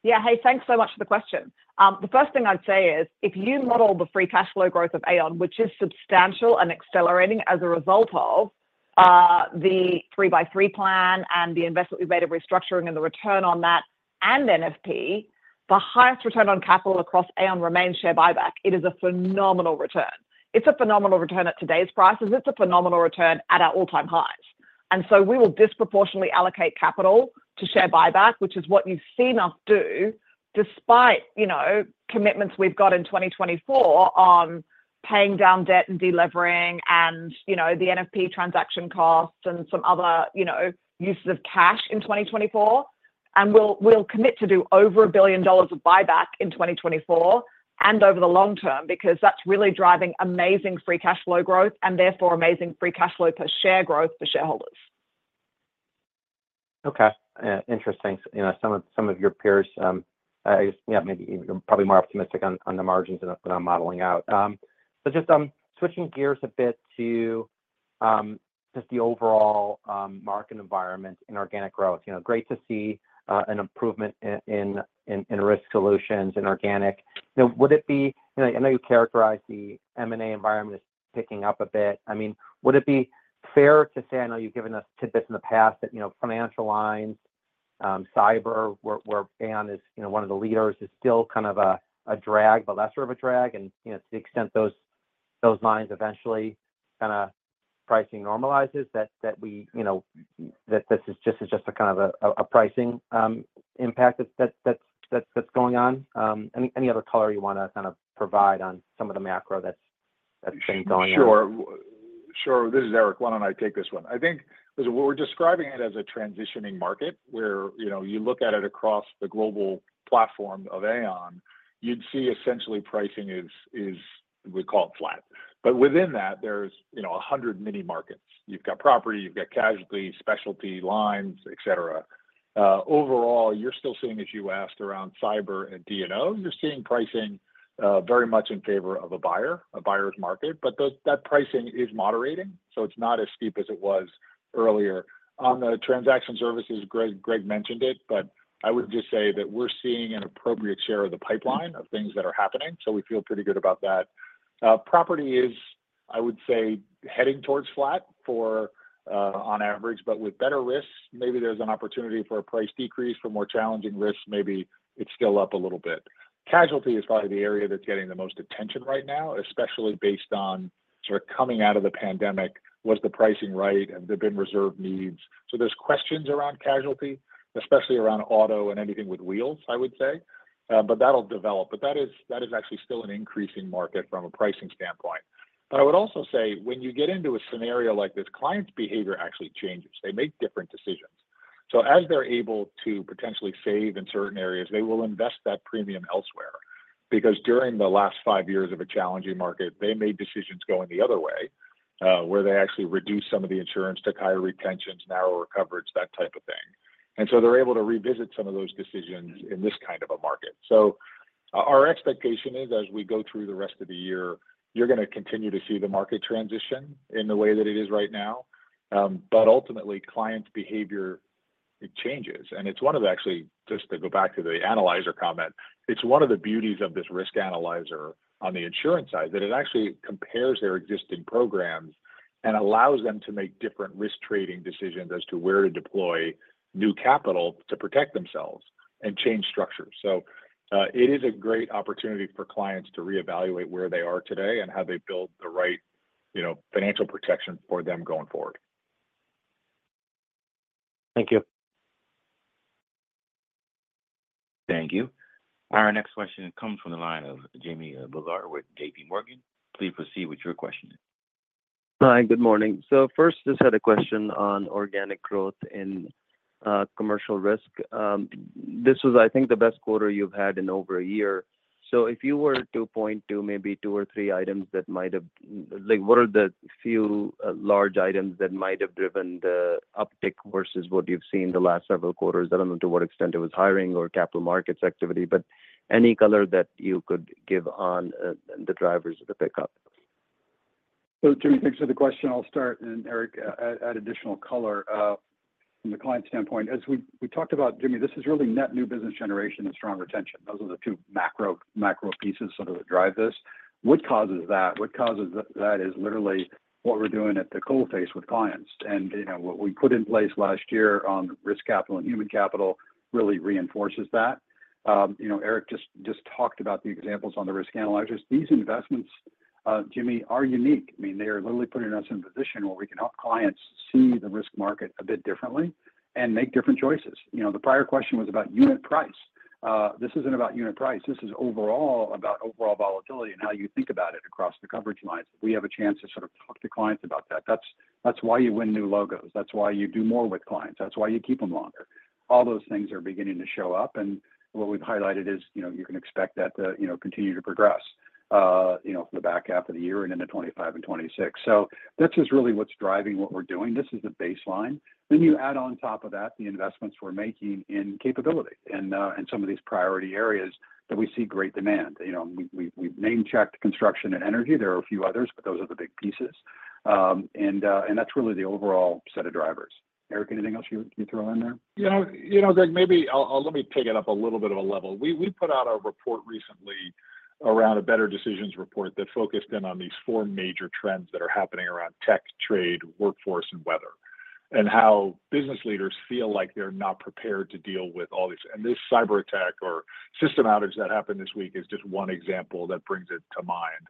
Speaker 4: Yeah. Hey, thanks so much for the question. The first thing I'd say is if you model the free cash flow growth of Aon, which is substantial and accelerating as a result of the 3x3 Plan and the investment we've made of restructuring and the return on that and NFP, the highest return on capital across Aon remains share buyback. It is a phenomenal return. It's a phenomenal return at today's prices. It's a phenomenal return at our all-time highs. And so we will disproportionately allocate capital to share buyback, which is what you've seen us do despite commitments we've got in 2024 on paying down debt and delivering and the NFP transaction costs and some other uses of cash in 2024. We'll commit to do over $1 billion of buyback in 2024 and over the long term because that's really driving amazing free cash flow growth and therefore amazing free cash flow per share growth for shareholders.
Speaker 8: Okay. Interesting. Some of your peers, yeah, maybe you're probably more optimistic on the margins than I'm modeling out. But just switching gears a bit to just the overall market environment in organic growth. Great to see an improvement in risk solutions in organic. Would it be - I know you characterized the M&A environment as picking up a bit. I mean, would it be fair to say - I know you've given us tidbits in the past that financial lines, cyber, where Aon is one of the leaders, is still kind of a drag, but lesser of a drag, and to the extent those lines eventually kind of pricing normalizes, that this is just a kind of a pricing impact that's going on? Any other color you want to kind of provide on some of the macro that's been going on?
Speaker 6: Sure. Sure. This is Eric. Why don't I take this one? I think we're describing it as a transitioning market where you look at it across the global platform of Aon, you'd see essentially pricing is—we call it flat. But within that, there's 100 mini markets. You've got property, you've got casualty, specialty, lines, etc. Overall, you're still seeing, as you asked, around cyber and D&O, you're seeing pricing very much in favor of a buyer, a buyer's market. But that pricing is moderating. So it's not as steep as it was earlier. On the transaction services, Greg mentioned it, but I would just say that we're seeing an appropriate share of the pipeline of things that are happening. So we feel pretty good about that. Property is, I would say, heading towards flat on average, but with better risks, maybe there's an opportunity for a price decrease. For more challenging risks, maybe it's still up a little bit. Casualty is probably the area that's getting the most attention right now, especially based on sort of coming out of the pandemic. Was the pricing right? Have there been reserve needs? So there's questions around casualty, especially around auto and anything with wheels, I would say. But that'll develop. But that is actually still an increasing market from a pricing standpoint. But I would also say when you get into a scenario like this, client behavior actually changes. They make different decisions. So as they're able to potentially save in certain areas, they will invest that premium elsewhere. Because during the last five years of a challenging market, they made decisions going the other way where they actually reduce some of the insurance to higher retentions, narrower coverage, that type of thing. So they're able to revisit some of those decisions in this kind of a market. Our expectation is, as we go through the rest of the year, you're going to continue to see the market transition in the way that it is right now. But ultimately, client behavior changes. And it's one of the, actually, just to go back to the Risk Analyzer comment, it's one of the beauties of this Risk Analyzer on the insurance side that it actually compares their existing programs and allows them to make different risk trading decisions as to where to deploy new capital to protect themselves and change structures. So it is a great opportunity for clients to reevaluate where they are today and how they build the right financial protection for them going forward.
Speaker 8: Thank you.
Speaker 1: Thank you. Our next question comes from the line of Jimmy Bhullar with J.P. Morgan. Please proceed with your question.
Speaker 9: Hi. Good morning. So first, just had a question on organic growth and Commercial Risk. This was, I think, the best quarter you've had in over a year. So if you were to point to maybe two or three items that might have—what are the few large items that might have driven the uptick versus what you've seen the last several quarters? I don't know to what extent it was hiring or capital markets activity, but any color that you could give on the drivers of the pickup.
Speaker 2: So Jimmy, thanks for the question. I'll start, and Eric add additional color. From the client standpoint, as we talked about, Jimmy, this is really net new business generation and strong retention. Those are the two macro pieces sort of that drive this. What causes that? What causes that is literally what we're doing at the coalface with clients. And what we put in place last year on Risk Capital and Human Capital really reinforces that. Eric just talked about the examples on the Risk Analyzers. These investments, Jimmy, are unique. I mean, they are literally putting us in a position where we can help clients see the risk market a bit differently and make different choices. The prior question was about unit price. This isn't about unit price. This is overall about overall volatility and how you think about it across the coverage lines. We have a chance to sort of talk to clients about that. That's why you win new logos. That's why you do more with clients. That's why you keep them longer. All those things are beginning to show up. And what we've highlighted is you can expect that to continue to progress for the back half of the year and into 2025 and 2026. So this is really what's driving what we're doing. This is the baseline. Then you add on top of that the investments we're making in capability and some of these priority areas that we see great demand. We've name-checked construction and energy. There are a few others, but those are the big pieces. And that's really the overall set of drivers. Eric, anything else you'd throw in there?
Speaker 6: Yeah. Greg, maybe let me pick it up a little bit of a level. We put out a report recently around a Better Decisions report that focused in on these four major trends that are happening around tech, trade, workforce, and weather, and how business leaders feel like they're not prepared to deal with all these. And this cyber attack or system outage that happened this week is just one example that brings it to mind.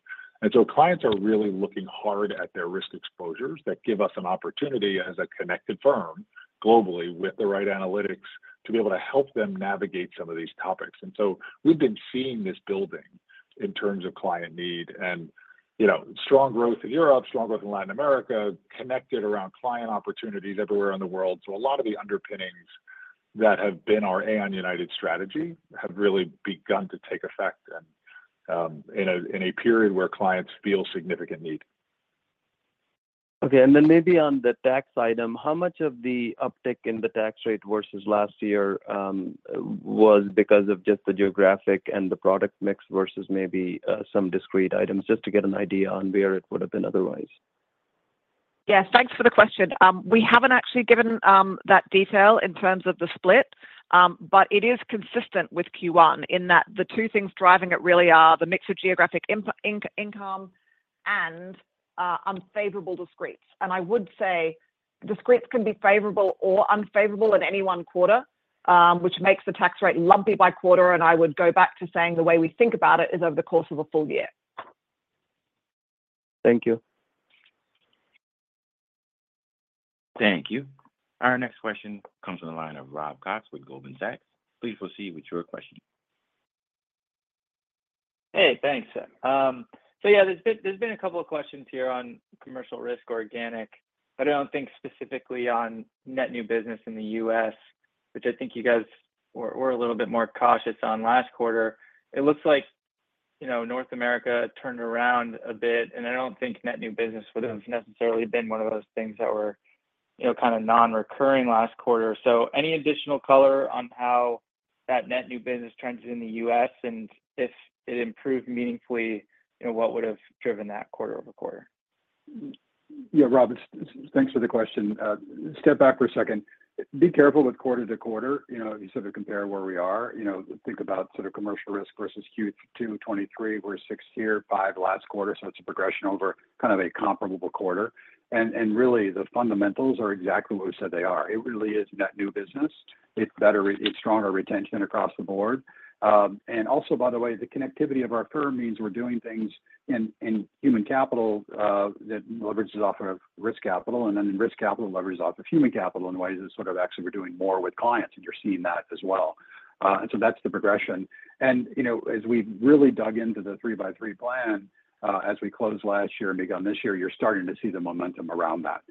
Speaker 6: And so clients are really looking hard at their risk exposures that give us an opportunity as a connected firm globally with the right analytics to be able to help them navigate some of these topics. And so we've been seeing this building in terms of client need and strong growth in Europe, strong growth in Latin America, connected around client opportunities everywhere in the world. A lot of the underpinnings that have been our Aon United strategy have really begun to take effect in a period where clients feel significant need.
Speaker 9: Okay. And then maybe on the tax item, how much of the uptick in the tax rate versus last year was because of just the geographic and the product mix versus maybe some discrete items? Just to get an idea on where it would have been otherwise.
Speaker 4: Yes. Thanks for the question. We haven't actually given that detail in terms of the split, but it is consistent with Q1 in that the two things driving it really are the mix of geographic income and unfavorable discretes. And I would say discretes can be favorable or unfavorable in any one quarter, which makes the tax rate lumpy by quarter. And I would go back to saying the way we think about it is over the course of a full year.
Speaker 9: Thank you.
Speaker 1: Thank you. Our next question comes from the line of Rob Cox with Goldman Sachs. Please proceed with your question.
Speaker 10: Hey, thanks. So yeah, there's been a couple of questions here on Commercial Risk organic, but I don't think specifically on net new business in the U.S., which I think you guys were a little bit more cautious on last quarter. It looks like North America turned around a bit, and I don't think net new business would have necessarily been one of those things that were kind of non-recurring last quarter. So any additional color on how that net new business trends in the U.S., and if it improved meaningfully, what would have driven that quarter over quarter?
Speaker 2: Yeah, Rob, thanks for the question. Step back for a second. Be careful with quarter-to-quarter. You sort of compare where we are. Think about sort of Commercial Risk versus Q2 2023. We're sixth year, fifth last quarter. So it's a progression over kind of a comparable quarter. And really, the fundamentals are exactly what we said they are. It really is net new business. It's stronger retention across the board. And also, by the way, the connectivity of our firm means we're doing things in Human Capital that leverages off of Risk Capital, and then Risk Capital leverages off of Human Capital in ways that sort of actually we're doing more with clients, and you're seeing that as well. And so that's the progression. As we've really dug into the 3x3 Plan as we closed last year and began this year, you're starting to see the momentum around that.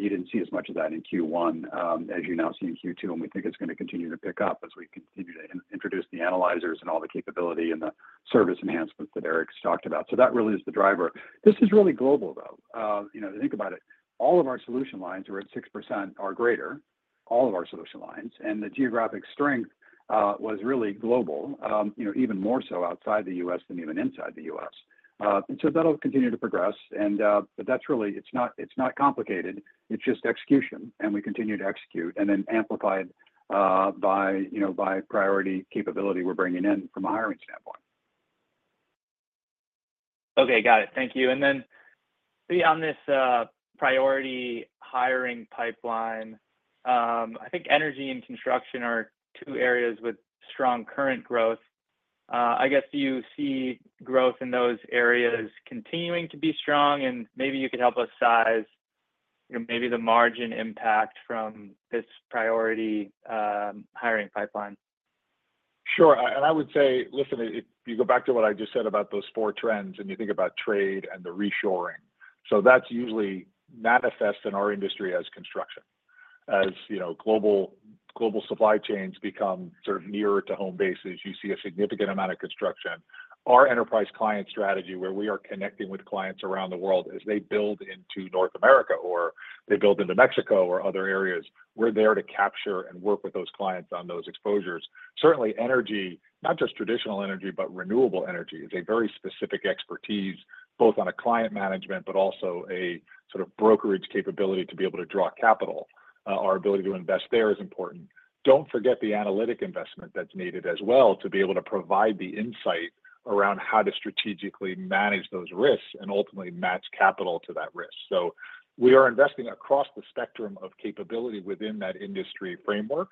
Speaker 2: You didn't see as much of that in Q1 as you now see in Q2, and we think it's going to continue to pick up as we continue to introduce the analyzers and all the capability and the service enhancements that Eric's talked about. That really is the driver. This is really global, though. Think about it. All of our solution lines are at 6% or greater, all of our solution lines. The geographic strength was really global, even more so outside the U.S. than even inside the U.S. That'll continue to progress. That's really. It's not complicated. It's just execution. We continue to execute and then amplify it by priority capability we're bringing in from a hiring standpoint.
Speaker 10: Okay. Got it. Thank you. And then beyond this priority hiring pipeline, I think energy and construction are two areas with strong current growth. I guess do you see growth in those areas continuing to be strong? And maybe you could help us size maybe the margin impact from this priority hiring pipeline.
Speaker 6: Sure. I would say, listen, if you go back to what I just said about those four trends and you think about trade and the reshoring, so that's usually manifest in our industry as construction. As global supply chains become sort of nearer to home bases, you see a significant amount of construction. Our enterprise client strategy, where we are connecting with clients around the world as they build into North America or they build into Mexico or other areas, we're there to capture and work with those clients on those exposures. Certainly, energy, not just traditional energy, but renewable energy is a very specific expertise, both on a client management but also a sort of brokerage capability to be able to draw capital. Our ability to invest there is important. Don't forget the analytic investment that's needed as well to be able to provide the insight around how to strategically manage those risks and ultimately match capital to that risk. So we are investing across the spectrum of capability within that industry framework.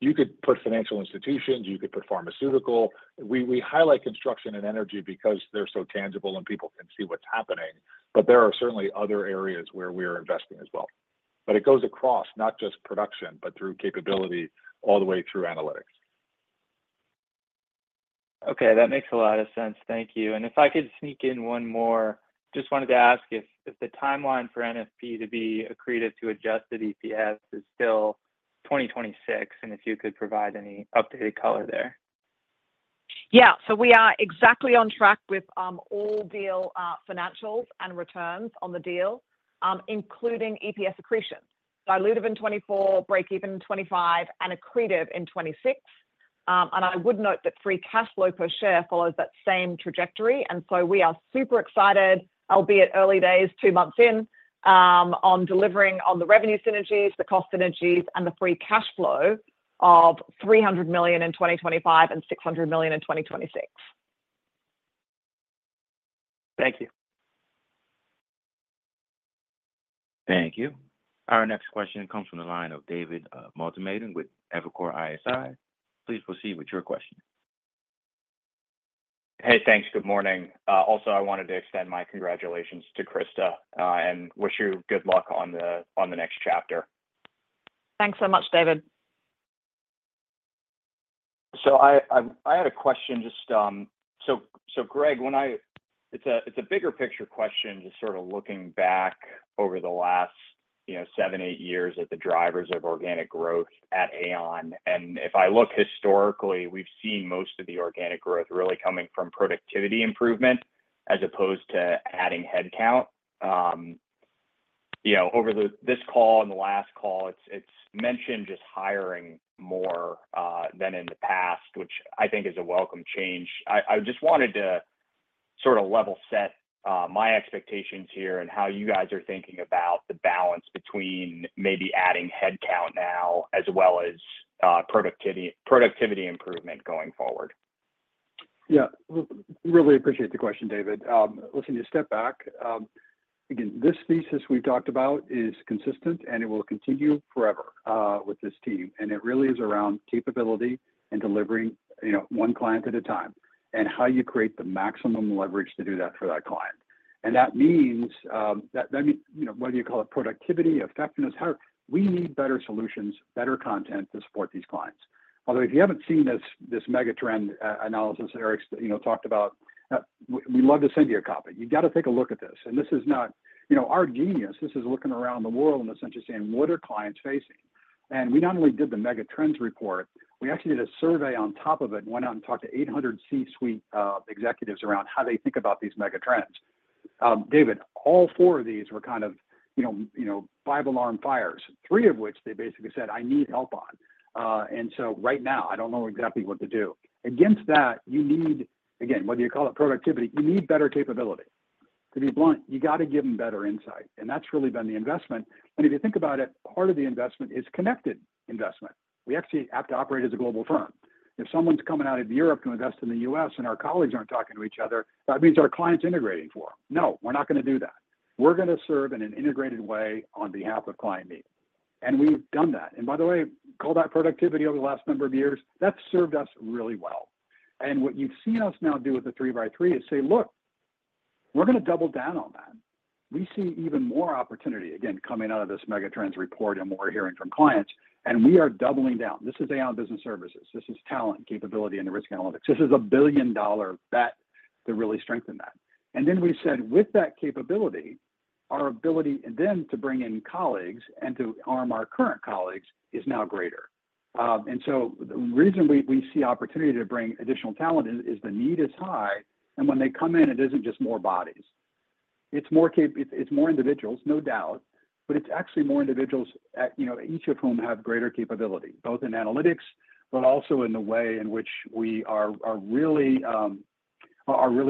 Speaker 6: You could put financial institutions. You could put pharmaceutical. We highlight construction and energy because they're so tangible and people can see what's happening. But there are certainly other areas where we are investing as well. But it goes across, not just production, but through capability all the way through analytics.
Speaker 10: Okay. That makes a lot of sense. Thank you. And if I could sneak in one more, just wanted to ask if the timeline for NFP to be accretive to adjusted EPS is still 2026, and if you could provide any updated color there.
Speaker 4: Yeah. We are exactly on track with all deal financials and returns on the deal, including EPS accretion. Diluted in 2024, break-even in 2025, and accretive in 2026. I would note that free cash flow per share follows that same trajectory. We are super excited, albeit early days, two months in, on delivering on the revenue synergies, the cost synergies, and the free cash flow of $300 million in 2025 and $600 million in 2026.
Speaker 10: Thank you.
Speaker 1: Thank you. Our next question comes from the line of David Motemaden with Evercore ISI. Please proceed with your question.
Speaker 11: Hey, thanks. Good morning. Also, I wanted to extend my congratulations to Christa and wish you good luck on the next chapter.
Speaker 4: Thanks so much, David.
Speaker 11: So I had a question just—so Greg, when I—it's a bigger picture question just sort of looking back over the last 7, 8 years at the drivers of organic growth at Aon. And if I look historically, we've seen most of the organic growth really coming from productivity improvement as opposed to adding headcount. Over this call and the last call, it's mentioned just hiring more than in the past, which I think is a welcome change. I just wanted to sort of level set my expectations here and how you guys are thinking about the balance between maybe adding headcount now as well as productivity improvement going forward?
Speaker 2: Yeah. Really appreciate the question, David. Let me take a step back. Again, this thesis we've talked about is consistent, and it will continue forever with this team. And it really is around capability and delivering one client at a time and how you create the maximum leverage to do that for that client. And that means whether you call it productivity, effectiveness, we need better solutions, better content to support these clients. Although if you haven't seen this mega trend analysis Eric talked about, we'd love to send you a copy. You've got to take a look at this. And this is not our genius. This is looking around the world in the sense of saying, "What are clients facing?" And we not only did the megatrends report, we actually did a survey on top of it and went out and talked to 800 C-suite executives about how they think about these megatrends. David, all four of these were kind of three-alarm fires, three of which they basically said, "I need help on." And so right now, I don't know exactly what to do. Against that, you need, again, whether you call it productivity, you need better capability. To be blunt, you've got to give them better insight. And that's really been the investment. And if you think about it, part of the investment is connected investment. We actually have to operate as a global firm. If someone's coming out of Europe to invest in the U.S. and our colleagues aren't talking to each other, that means our client's integrating for them. No, we're not going to do that. We're going to serve in an integrated way on behalf of client need. And we've done that. And by the way, call that productivity over the last number of years. That's served us really well. And what you've seen us now do with the 3x3 is say, "Look, we're going to double down on that." We see even more opportunity, again, coming out of this megatrends report and what we're hearing from clients. And we are doubling down. This is Aon Business Services. This is talent, capability, and the risk analytics. This is a billion-dollar bet to really strengthen that. And then we said, "With that capability, our ability then to bring in colleagues and to arm our current colleagues is now greater." And so the reason we see opportunity to bring additional talent is the need is high. And when they come in, it isn't just more bodies. It's more individuals, no doubt, but it's actually more individuals each of whom have greater capability, both in analytics, but also in the way in which we are really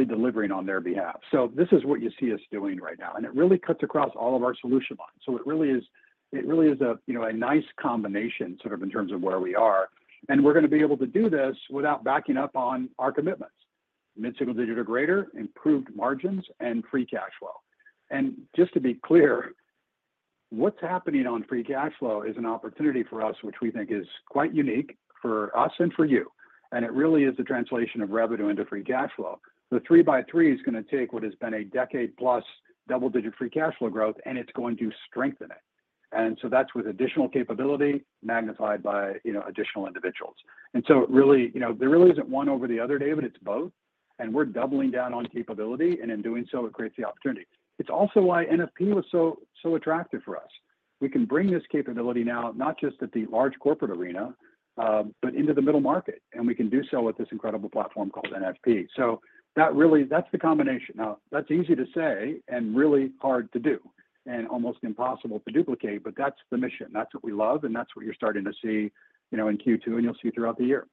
Speaker 2: delivering on their behalf. So this is what you see us doing right now. And it really cuts across all of our solution lines. So it really is a nice combination sort of in terms of where we are. And we're going to be able to do this without backing up on our commitments: mid-single digit or greater, improved margins, and free cash flow. Just to be clear, what's happening on free cash flow is an opportunity for us, which we think is quite unique for us and for you. It really is the translation of revenue into free cash flow. The 3x3 is going to take what has been a decade-plus double-digit free cash flow growth, and it's going to strengthen it. So that's with additional capability magnified by additional individuals. So really, there really isn't one over the other, David. It's both. We're doubling down on capability. In doing so, it creates the opportunity. It's also why NFP was so attractive for us. We can bring this capability now, not just at the large corporate arena, but into the middle market. We can do so with this incredible platform called NFP. So that's the combination. Now, that's easy to say and really hard to do and almost impossible to duplicate, but that's the mission. That's what we love, and that's what you're starting to see in Q2, and you'll see throughout the year.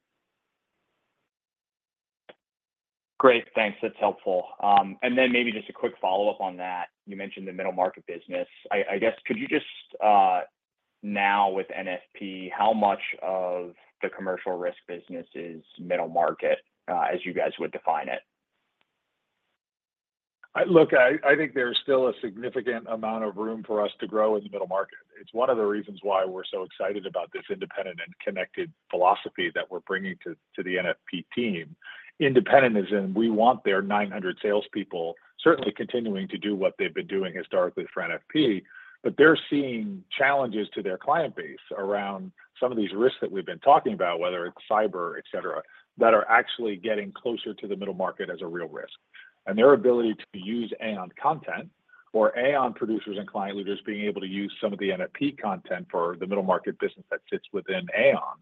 Speaker 11: Great. Thanks. That's helpful. And then maybe just a quick follow-up on that. You mentioned the middle market business. I guess, could you just now, with NFP, how much of the Commercial Risk business is middle market as you guys would define it?
Speaker 6: Look, I think there's still a significant amount of room for us to grow in the middle market. It's one of the reasons why we're so excited about this independent and connected philosophy that we're bringing to the NFP team. Independent as in we want their 900 salespeople certainly continuing to do what they've been doing historically for NFP, but they're seeing challenges to their client base around some of these risks that we've been talking about, whether it's cyber, etc., that are actually getting closer to the middle market as a real risk. And their ability to use Aon content or Aon producers and client leaders being able to use some of the NFP content for the middle market business that sits within Aon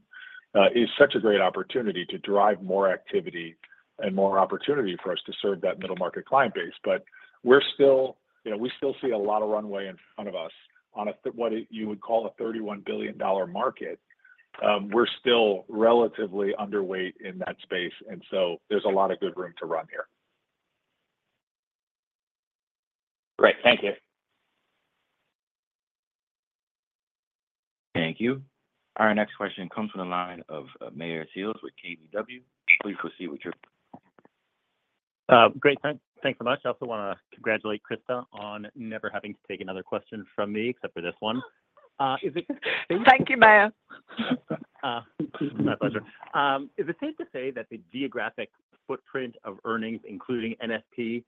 Speaker 6: is such a great opportunity to drive more activity and more opportunity for us to serve that middle market client base. We still see a lot of runway in front of us on what you would call a $31 billion market. We're still relatively underweight in that space. So there's a lot of good room to run here.
Speaker 11: Great. Thank you.
Speaker 1: Thank you. Our next question comes from the line of Meyer Shields with KBW. Please proceed with your.
Speaker 12: Great. Thanks so much. I also want to congratulate Christa on never having to take another question from me except for this one.
Speaker 4: Thank you, ma'am.
Speaker 12: My pleasure. Is it safe to say that the geographic footprint of earnings, including NFP,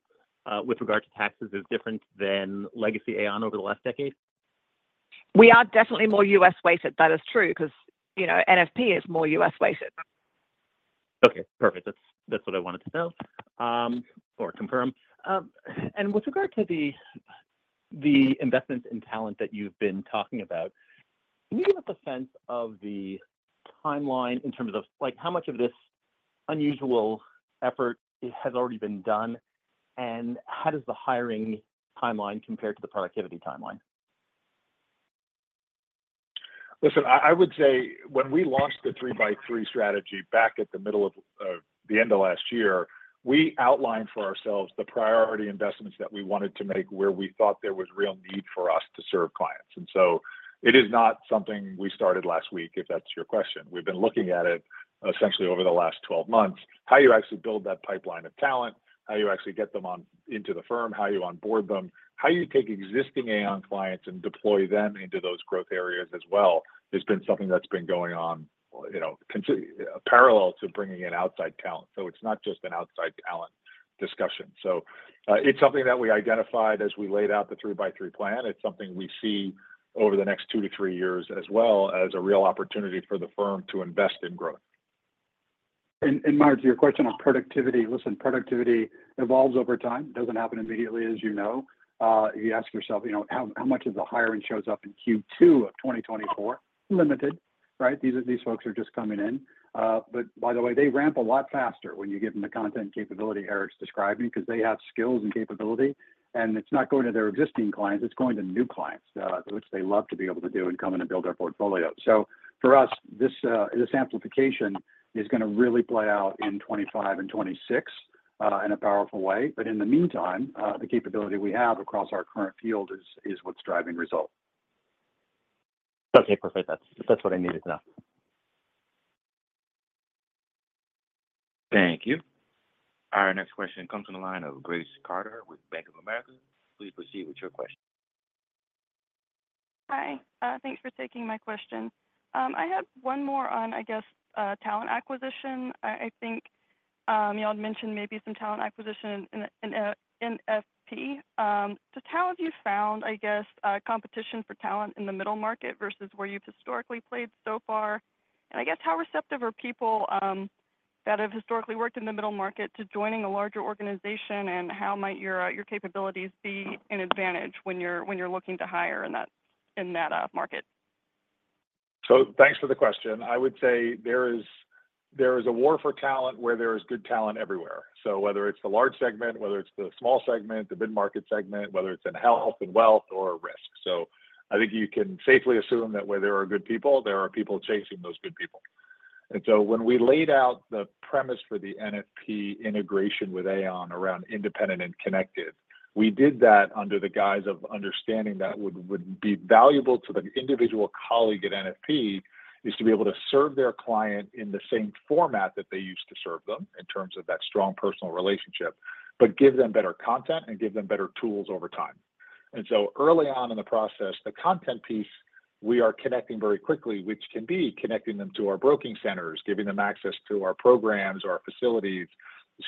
Speaker 12: with regard to taxes is different than legacy Aon over the last decade?
Speaker 4: We are definitely more U.S. weighted. That is true because NFP is more U.S. weighted.
Speaker 12: Okay. Perfect. That's what I wanted to know or confirm. And with regard to the investments in talent that you've been talking about, can you give us a sense of the timeline in terms of how much of this unusual effort has already been done, and how does the hiring timeline compare to the productivity timeline?
Speaker 6: Listen, I would say when we launched the 3x3 strategy back at the middle of the end of last year, we outlined for ourselves the priority investments that we wanted to make where we thought there was real need for us to serve clients. So it is not something we started last week, if that's your question. We've been looking at it essentially over the last 12 months. How you actually build that pipeline of talent, how you actually get them into the firm, how you onboard them, how you take existing Aon clients and deploy them into those growth areas as well has been something that's been going on parallel to bringing in outside talent. So it's not just an outside talent discussion. So it's something that we identified as we laid out the 3x3 plan. It's something we see over the next two to three years as well as a real opportunity for the firm to invest in growth.
Speaker 2: Meyer, to your question on productivity, listen, productivity evolves over time. It doesn't happen immediately, as you know. If you ask yourself how much of the hiring shows up in Q2 of 2024, limited, right? These folks are just coming in. But by the way, they ramp a lot faster when you give them the content capability Eric's describing because they have skills and capability. And it's not going to their existing clients. It's going to new clients, which they love to be able to do and come in and build their portfolio. So for us, this amplification is going to really play out in 2025 and 2026 in a powerful way. But in the meantime, the capability we have across our current field is what's driving results.
Speaker 12: Okay. Perfect. That's what I needed to know.
Speaker 1: Thank you. Our next question comes from the line of Grace Carter with Bank of America. Please proceed with your question.
Speaker 13: Hi. Thanks for taking my question. I have one more on, I guess, talent acquisition. I think y'all had mentioned maybe some talent acquisition in NFP. Just how have you found, I guess, competition for talent in the middle market versus where you've historically played so far? And I guess, how receptive are people that have historically worked in the middle market to joining a larger organization, and how might your capabilities be an advantage when you're looking to hire in that market?
Speaker 6: So thanks for the question. I would say there is a war for talent where there is good talent everywhere. So whether it's the large segment, whether it's the small segment, the mid-market segment, whether it's in Health and Wealth or risk. So I think you can safely assume that where there are good people, there are people chasing those good people. And so when we laid out the premise for the NFP integration with Aon around independent and connected, we did that under the guise of understanding that what would be valuable to the individual colleague at NFP is to be able to serve their client in the same format that they used to serve them in terms of that strong personal relationship, but give them better content and give them better tools over time. And so early on in the process, the content piece, we are connecting very quickly, which can be connecting them to our broking centers, giving them access to our programs, our facilities,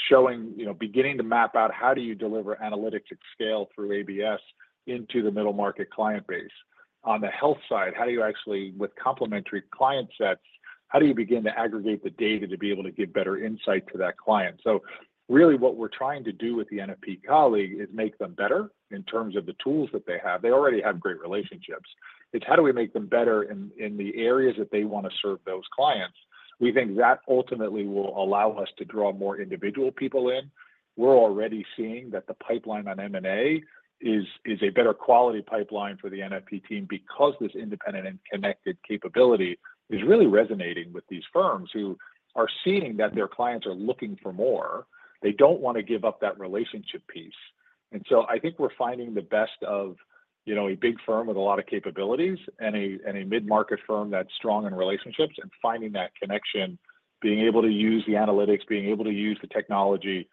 Speaker 6: showing, beginning to map out how do you deliver analytics at scale through ABS into the middle market client base. On the Health side, how do you actually, with complementary client sets, how do you begin to aggregate the data to be able to give better insight to that client? So really, what we're trying to do with the NFP colleague is make them better in terms of the tools that they have. They already have great relationships. It's how do we make them better in the areas that they want to serve those clients? We think that ultimately will allow us to draw more individual people in. We're already seeing that the pipeline on M&A is a better quality pipeline for the NFP team because this independent and connected capability is really resonating with these firms who are seeing that their clients are looking for more. They don't want to give up that relationship piece. And so I think we're finding the best of a big firm with a lot of capabilities and a mid-market firm that's strong in relationships and finding that connection, being able to use the analytics, being able to use the technology,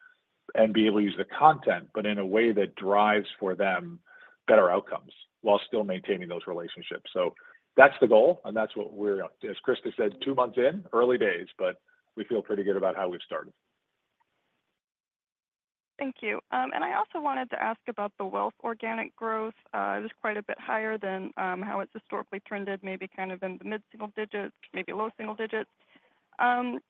Speaker 6: and be able to use the content, but in a way that drives for them better outcomes while still maintaining those relationships. So that's the goal. And that's what we're, as Christa said, two months in, early days, but we feel pretty good about how we've started.
Speaker 13: Thank you. And I also wanted to ask about the Wealth organic growth. It is quite a bit higher than how it's historically trended, maybe kind of in the mid-single digits, maybe low single digits.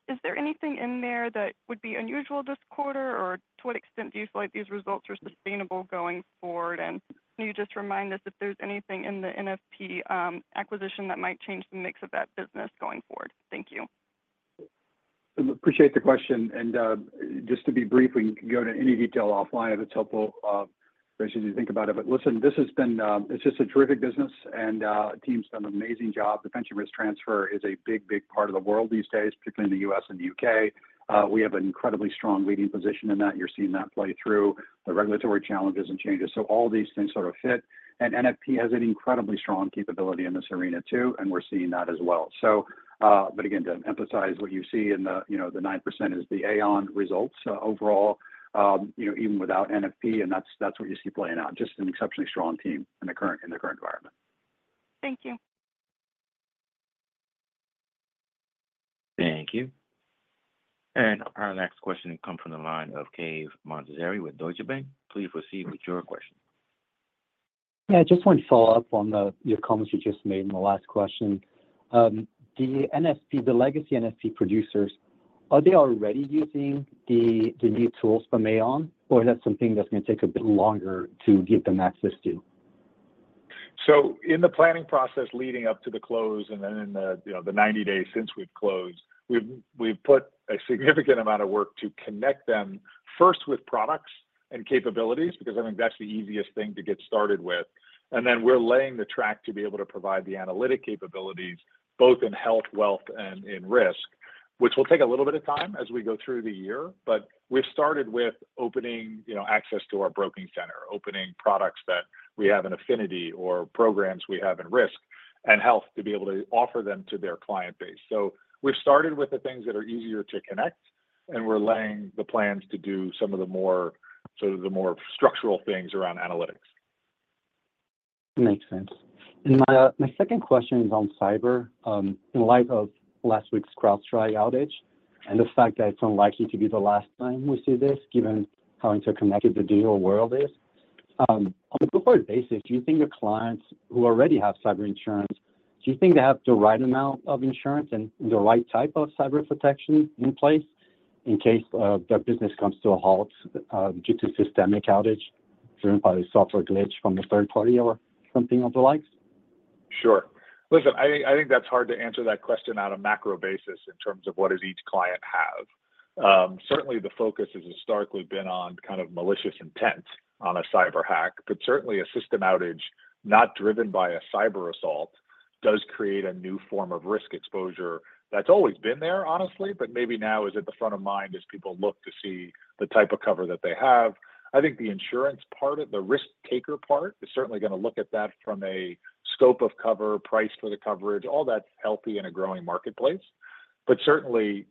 Speaker 13: Is there anything in there that would be unusual this quarter, or to what extent do you feel like these results are sustainable going forward? And can you just remind us if there's anything in the NFP acquisition that might change the mix of that business going forward? Thank you.
Speaker 2: Appreciate the question. Just to be brief, we can go into any detail offline if it's helpful as you think about it. But listen, this has been just a terrific business, and the team's done an amazing job. The pension risk transfer is a big, big part of the world these days, particularly in the U.S. and the U.K. We have an incredibly strong leading position in that. You're seeing that play through the regulatory challenges and changes. So all these things sort of fit. NFP has an incredibly strong capability in this arena too, and we're seeing that as well. But again, to emphasize what you see in the 9% is the Aon results overall, even without NFP, and that's what you see playing out. Just an exceptionally strong team in the current environment.
Speaker 13: Thank you.
Speaker 1: Thank you. Our next question comes from the line of Cave Montazeri with Deutsche Bank. Please proceed with your question.
Speaker 14: Yeah. I just want to follow up on the comments you just made in the last question. The legacy NFP producers, are they already using the new tools from Aon, or is that something that's going to take a bit longer to give them access to?
Speaker 6: So in the planning process leading up to the close and then in the 90 days since we've closed, we've put a significant amount of work to connect them first with products and capabilities because I think that's the easiest thing to get started with. And then we're laying the track to be able to provide the analytic capabilities, both in Health, Wealth, and in Risk, which will take a little bit of time as we go through the year. But we've started with opening access to our broking center, opening products that we have in affinity or programs we have in Risk, and Health to be able to offer them to their client base. So we've started with the things that are easier to connect, and we're laying the plans to do some of the more sort of the more structural things around analytics.
Speaker 14: Makes sense. My second question is on cyber. In light of last week's CrowdStrike outage and the fact that it's unlikely to be the last time we see this, given how interconnected the digital world is, on a good basis, do you think your clients who already have cyber insurance, do you think they have the right amount of insurance and the right type of cyber protection in place in case their business comes to a halt due to systemic outage driven by a software glitch from a third party or something of the likes?
Speaker 6: Sure. Listen, I think that's hard to answer that question on a macro basis in terms of what does each client have. Certainly, the focus has historically been on kind of malicious intent on a cyber hack, but certainly, a system outage not driven by a cyber assault does create a new form of risk exposure that's always been there, honestly, but maybe now is at the front of mind as people look to see the type of cover that they have. I think the insurance part, the risk-taker part, is certainly going to look at that from a scope of cover, price for the coverage, all that's Healthy in a growing marketplace. But certainly,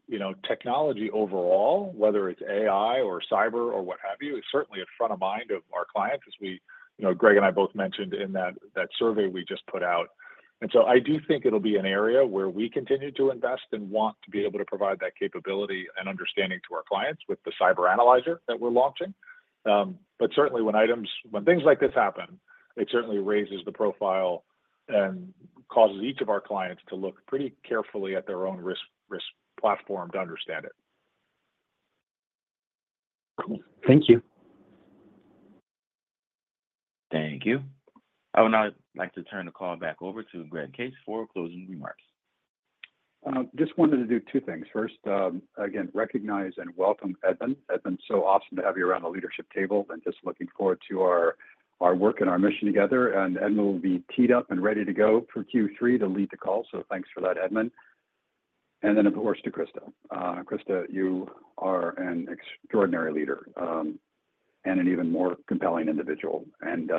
Speaker 6: technology overall, whether it's AI or cyber or what have you, is certainly at the front of mind of our clients, as Greg and I both mentioned in that survey we just put out. And so I do think it'll be an area where we continue to invest and want to be able to provide that capability and understanding to our clients with the cyber analyzer that we're launching. But certainly, when things like this happen, it certainly raises the profile and causes each of our clients to look pretty carefully at their own risk platform to understand it.
Speaker 14: Cool. Thank you.
Speaker 1: Thank you. I would now like to turn the call back over to Greg Case for closing remarks.
Speaker 2: Just wanted to do two things. First, again, recognize and welcome Edmund. Edmund, so awesome to have you around the leadership table and just looking forward to our work and our mission together. And Edmund will be teed up and ready to go for Q3 to lead the call. So thanks for that, Edmund. And then, of course, to Christa. Christa, you are an extraordinary leader and an even more compelling individual. And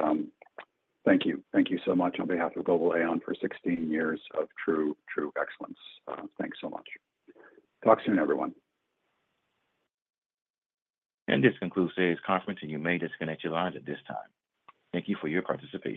Speaker 2: thank you. Thank you so much on behalf of Global Aon for 16 years of true excellence. Thanks so much. Talk soon, everyone.
Speaker 1: This concludes today's conference, and you may disconnect your lines at this time. Thank you for your participation.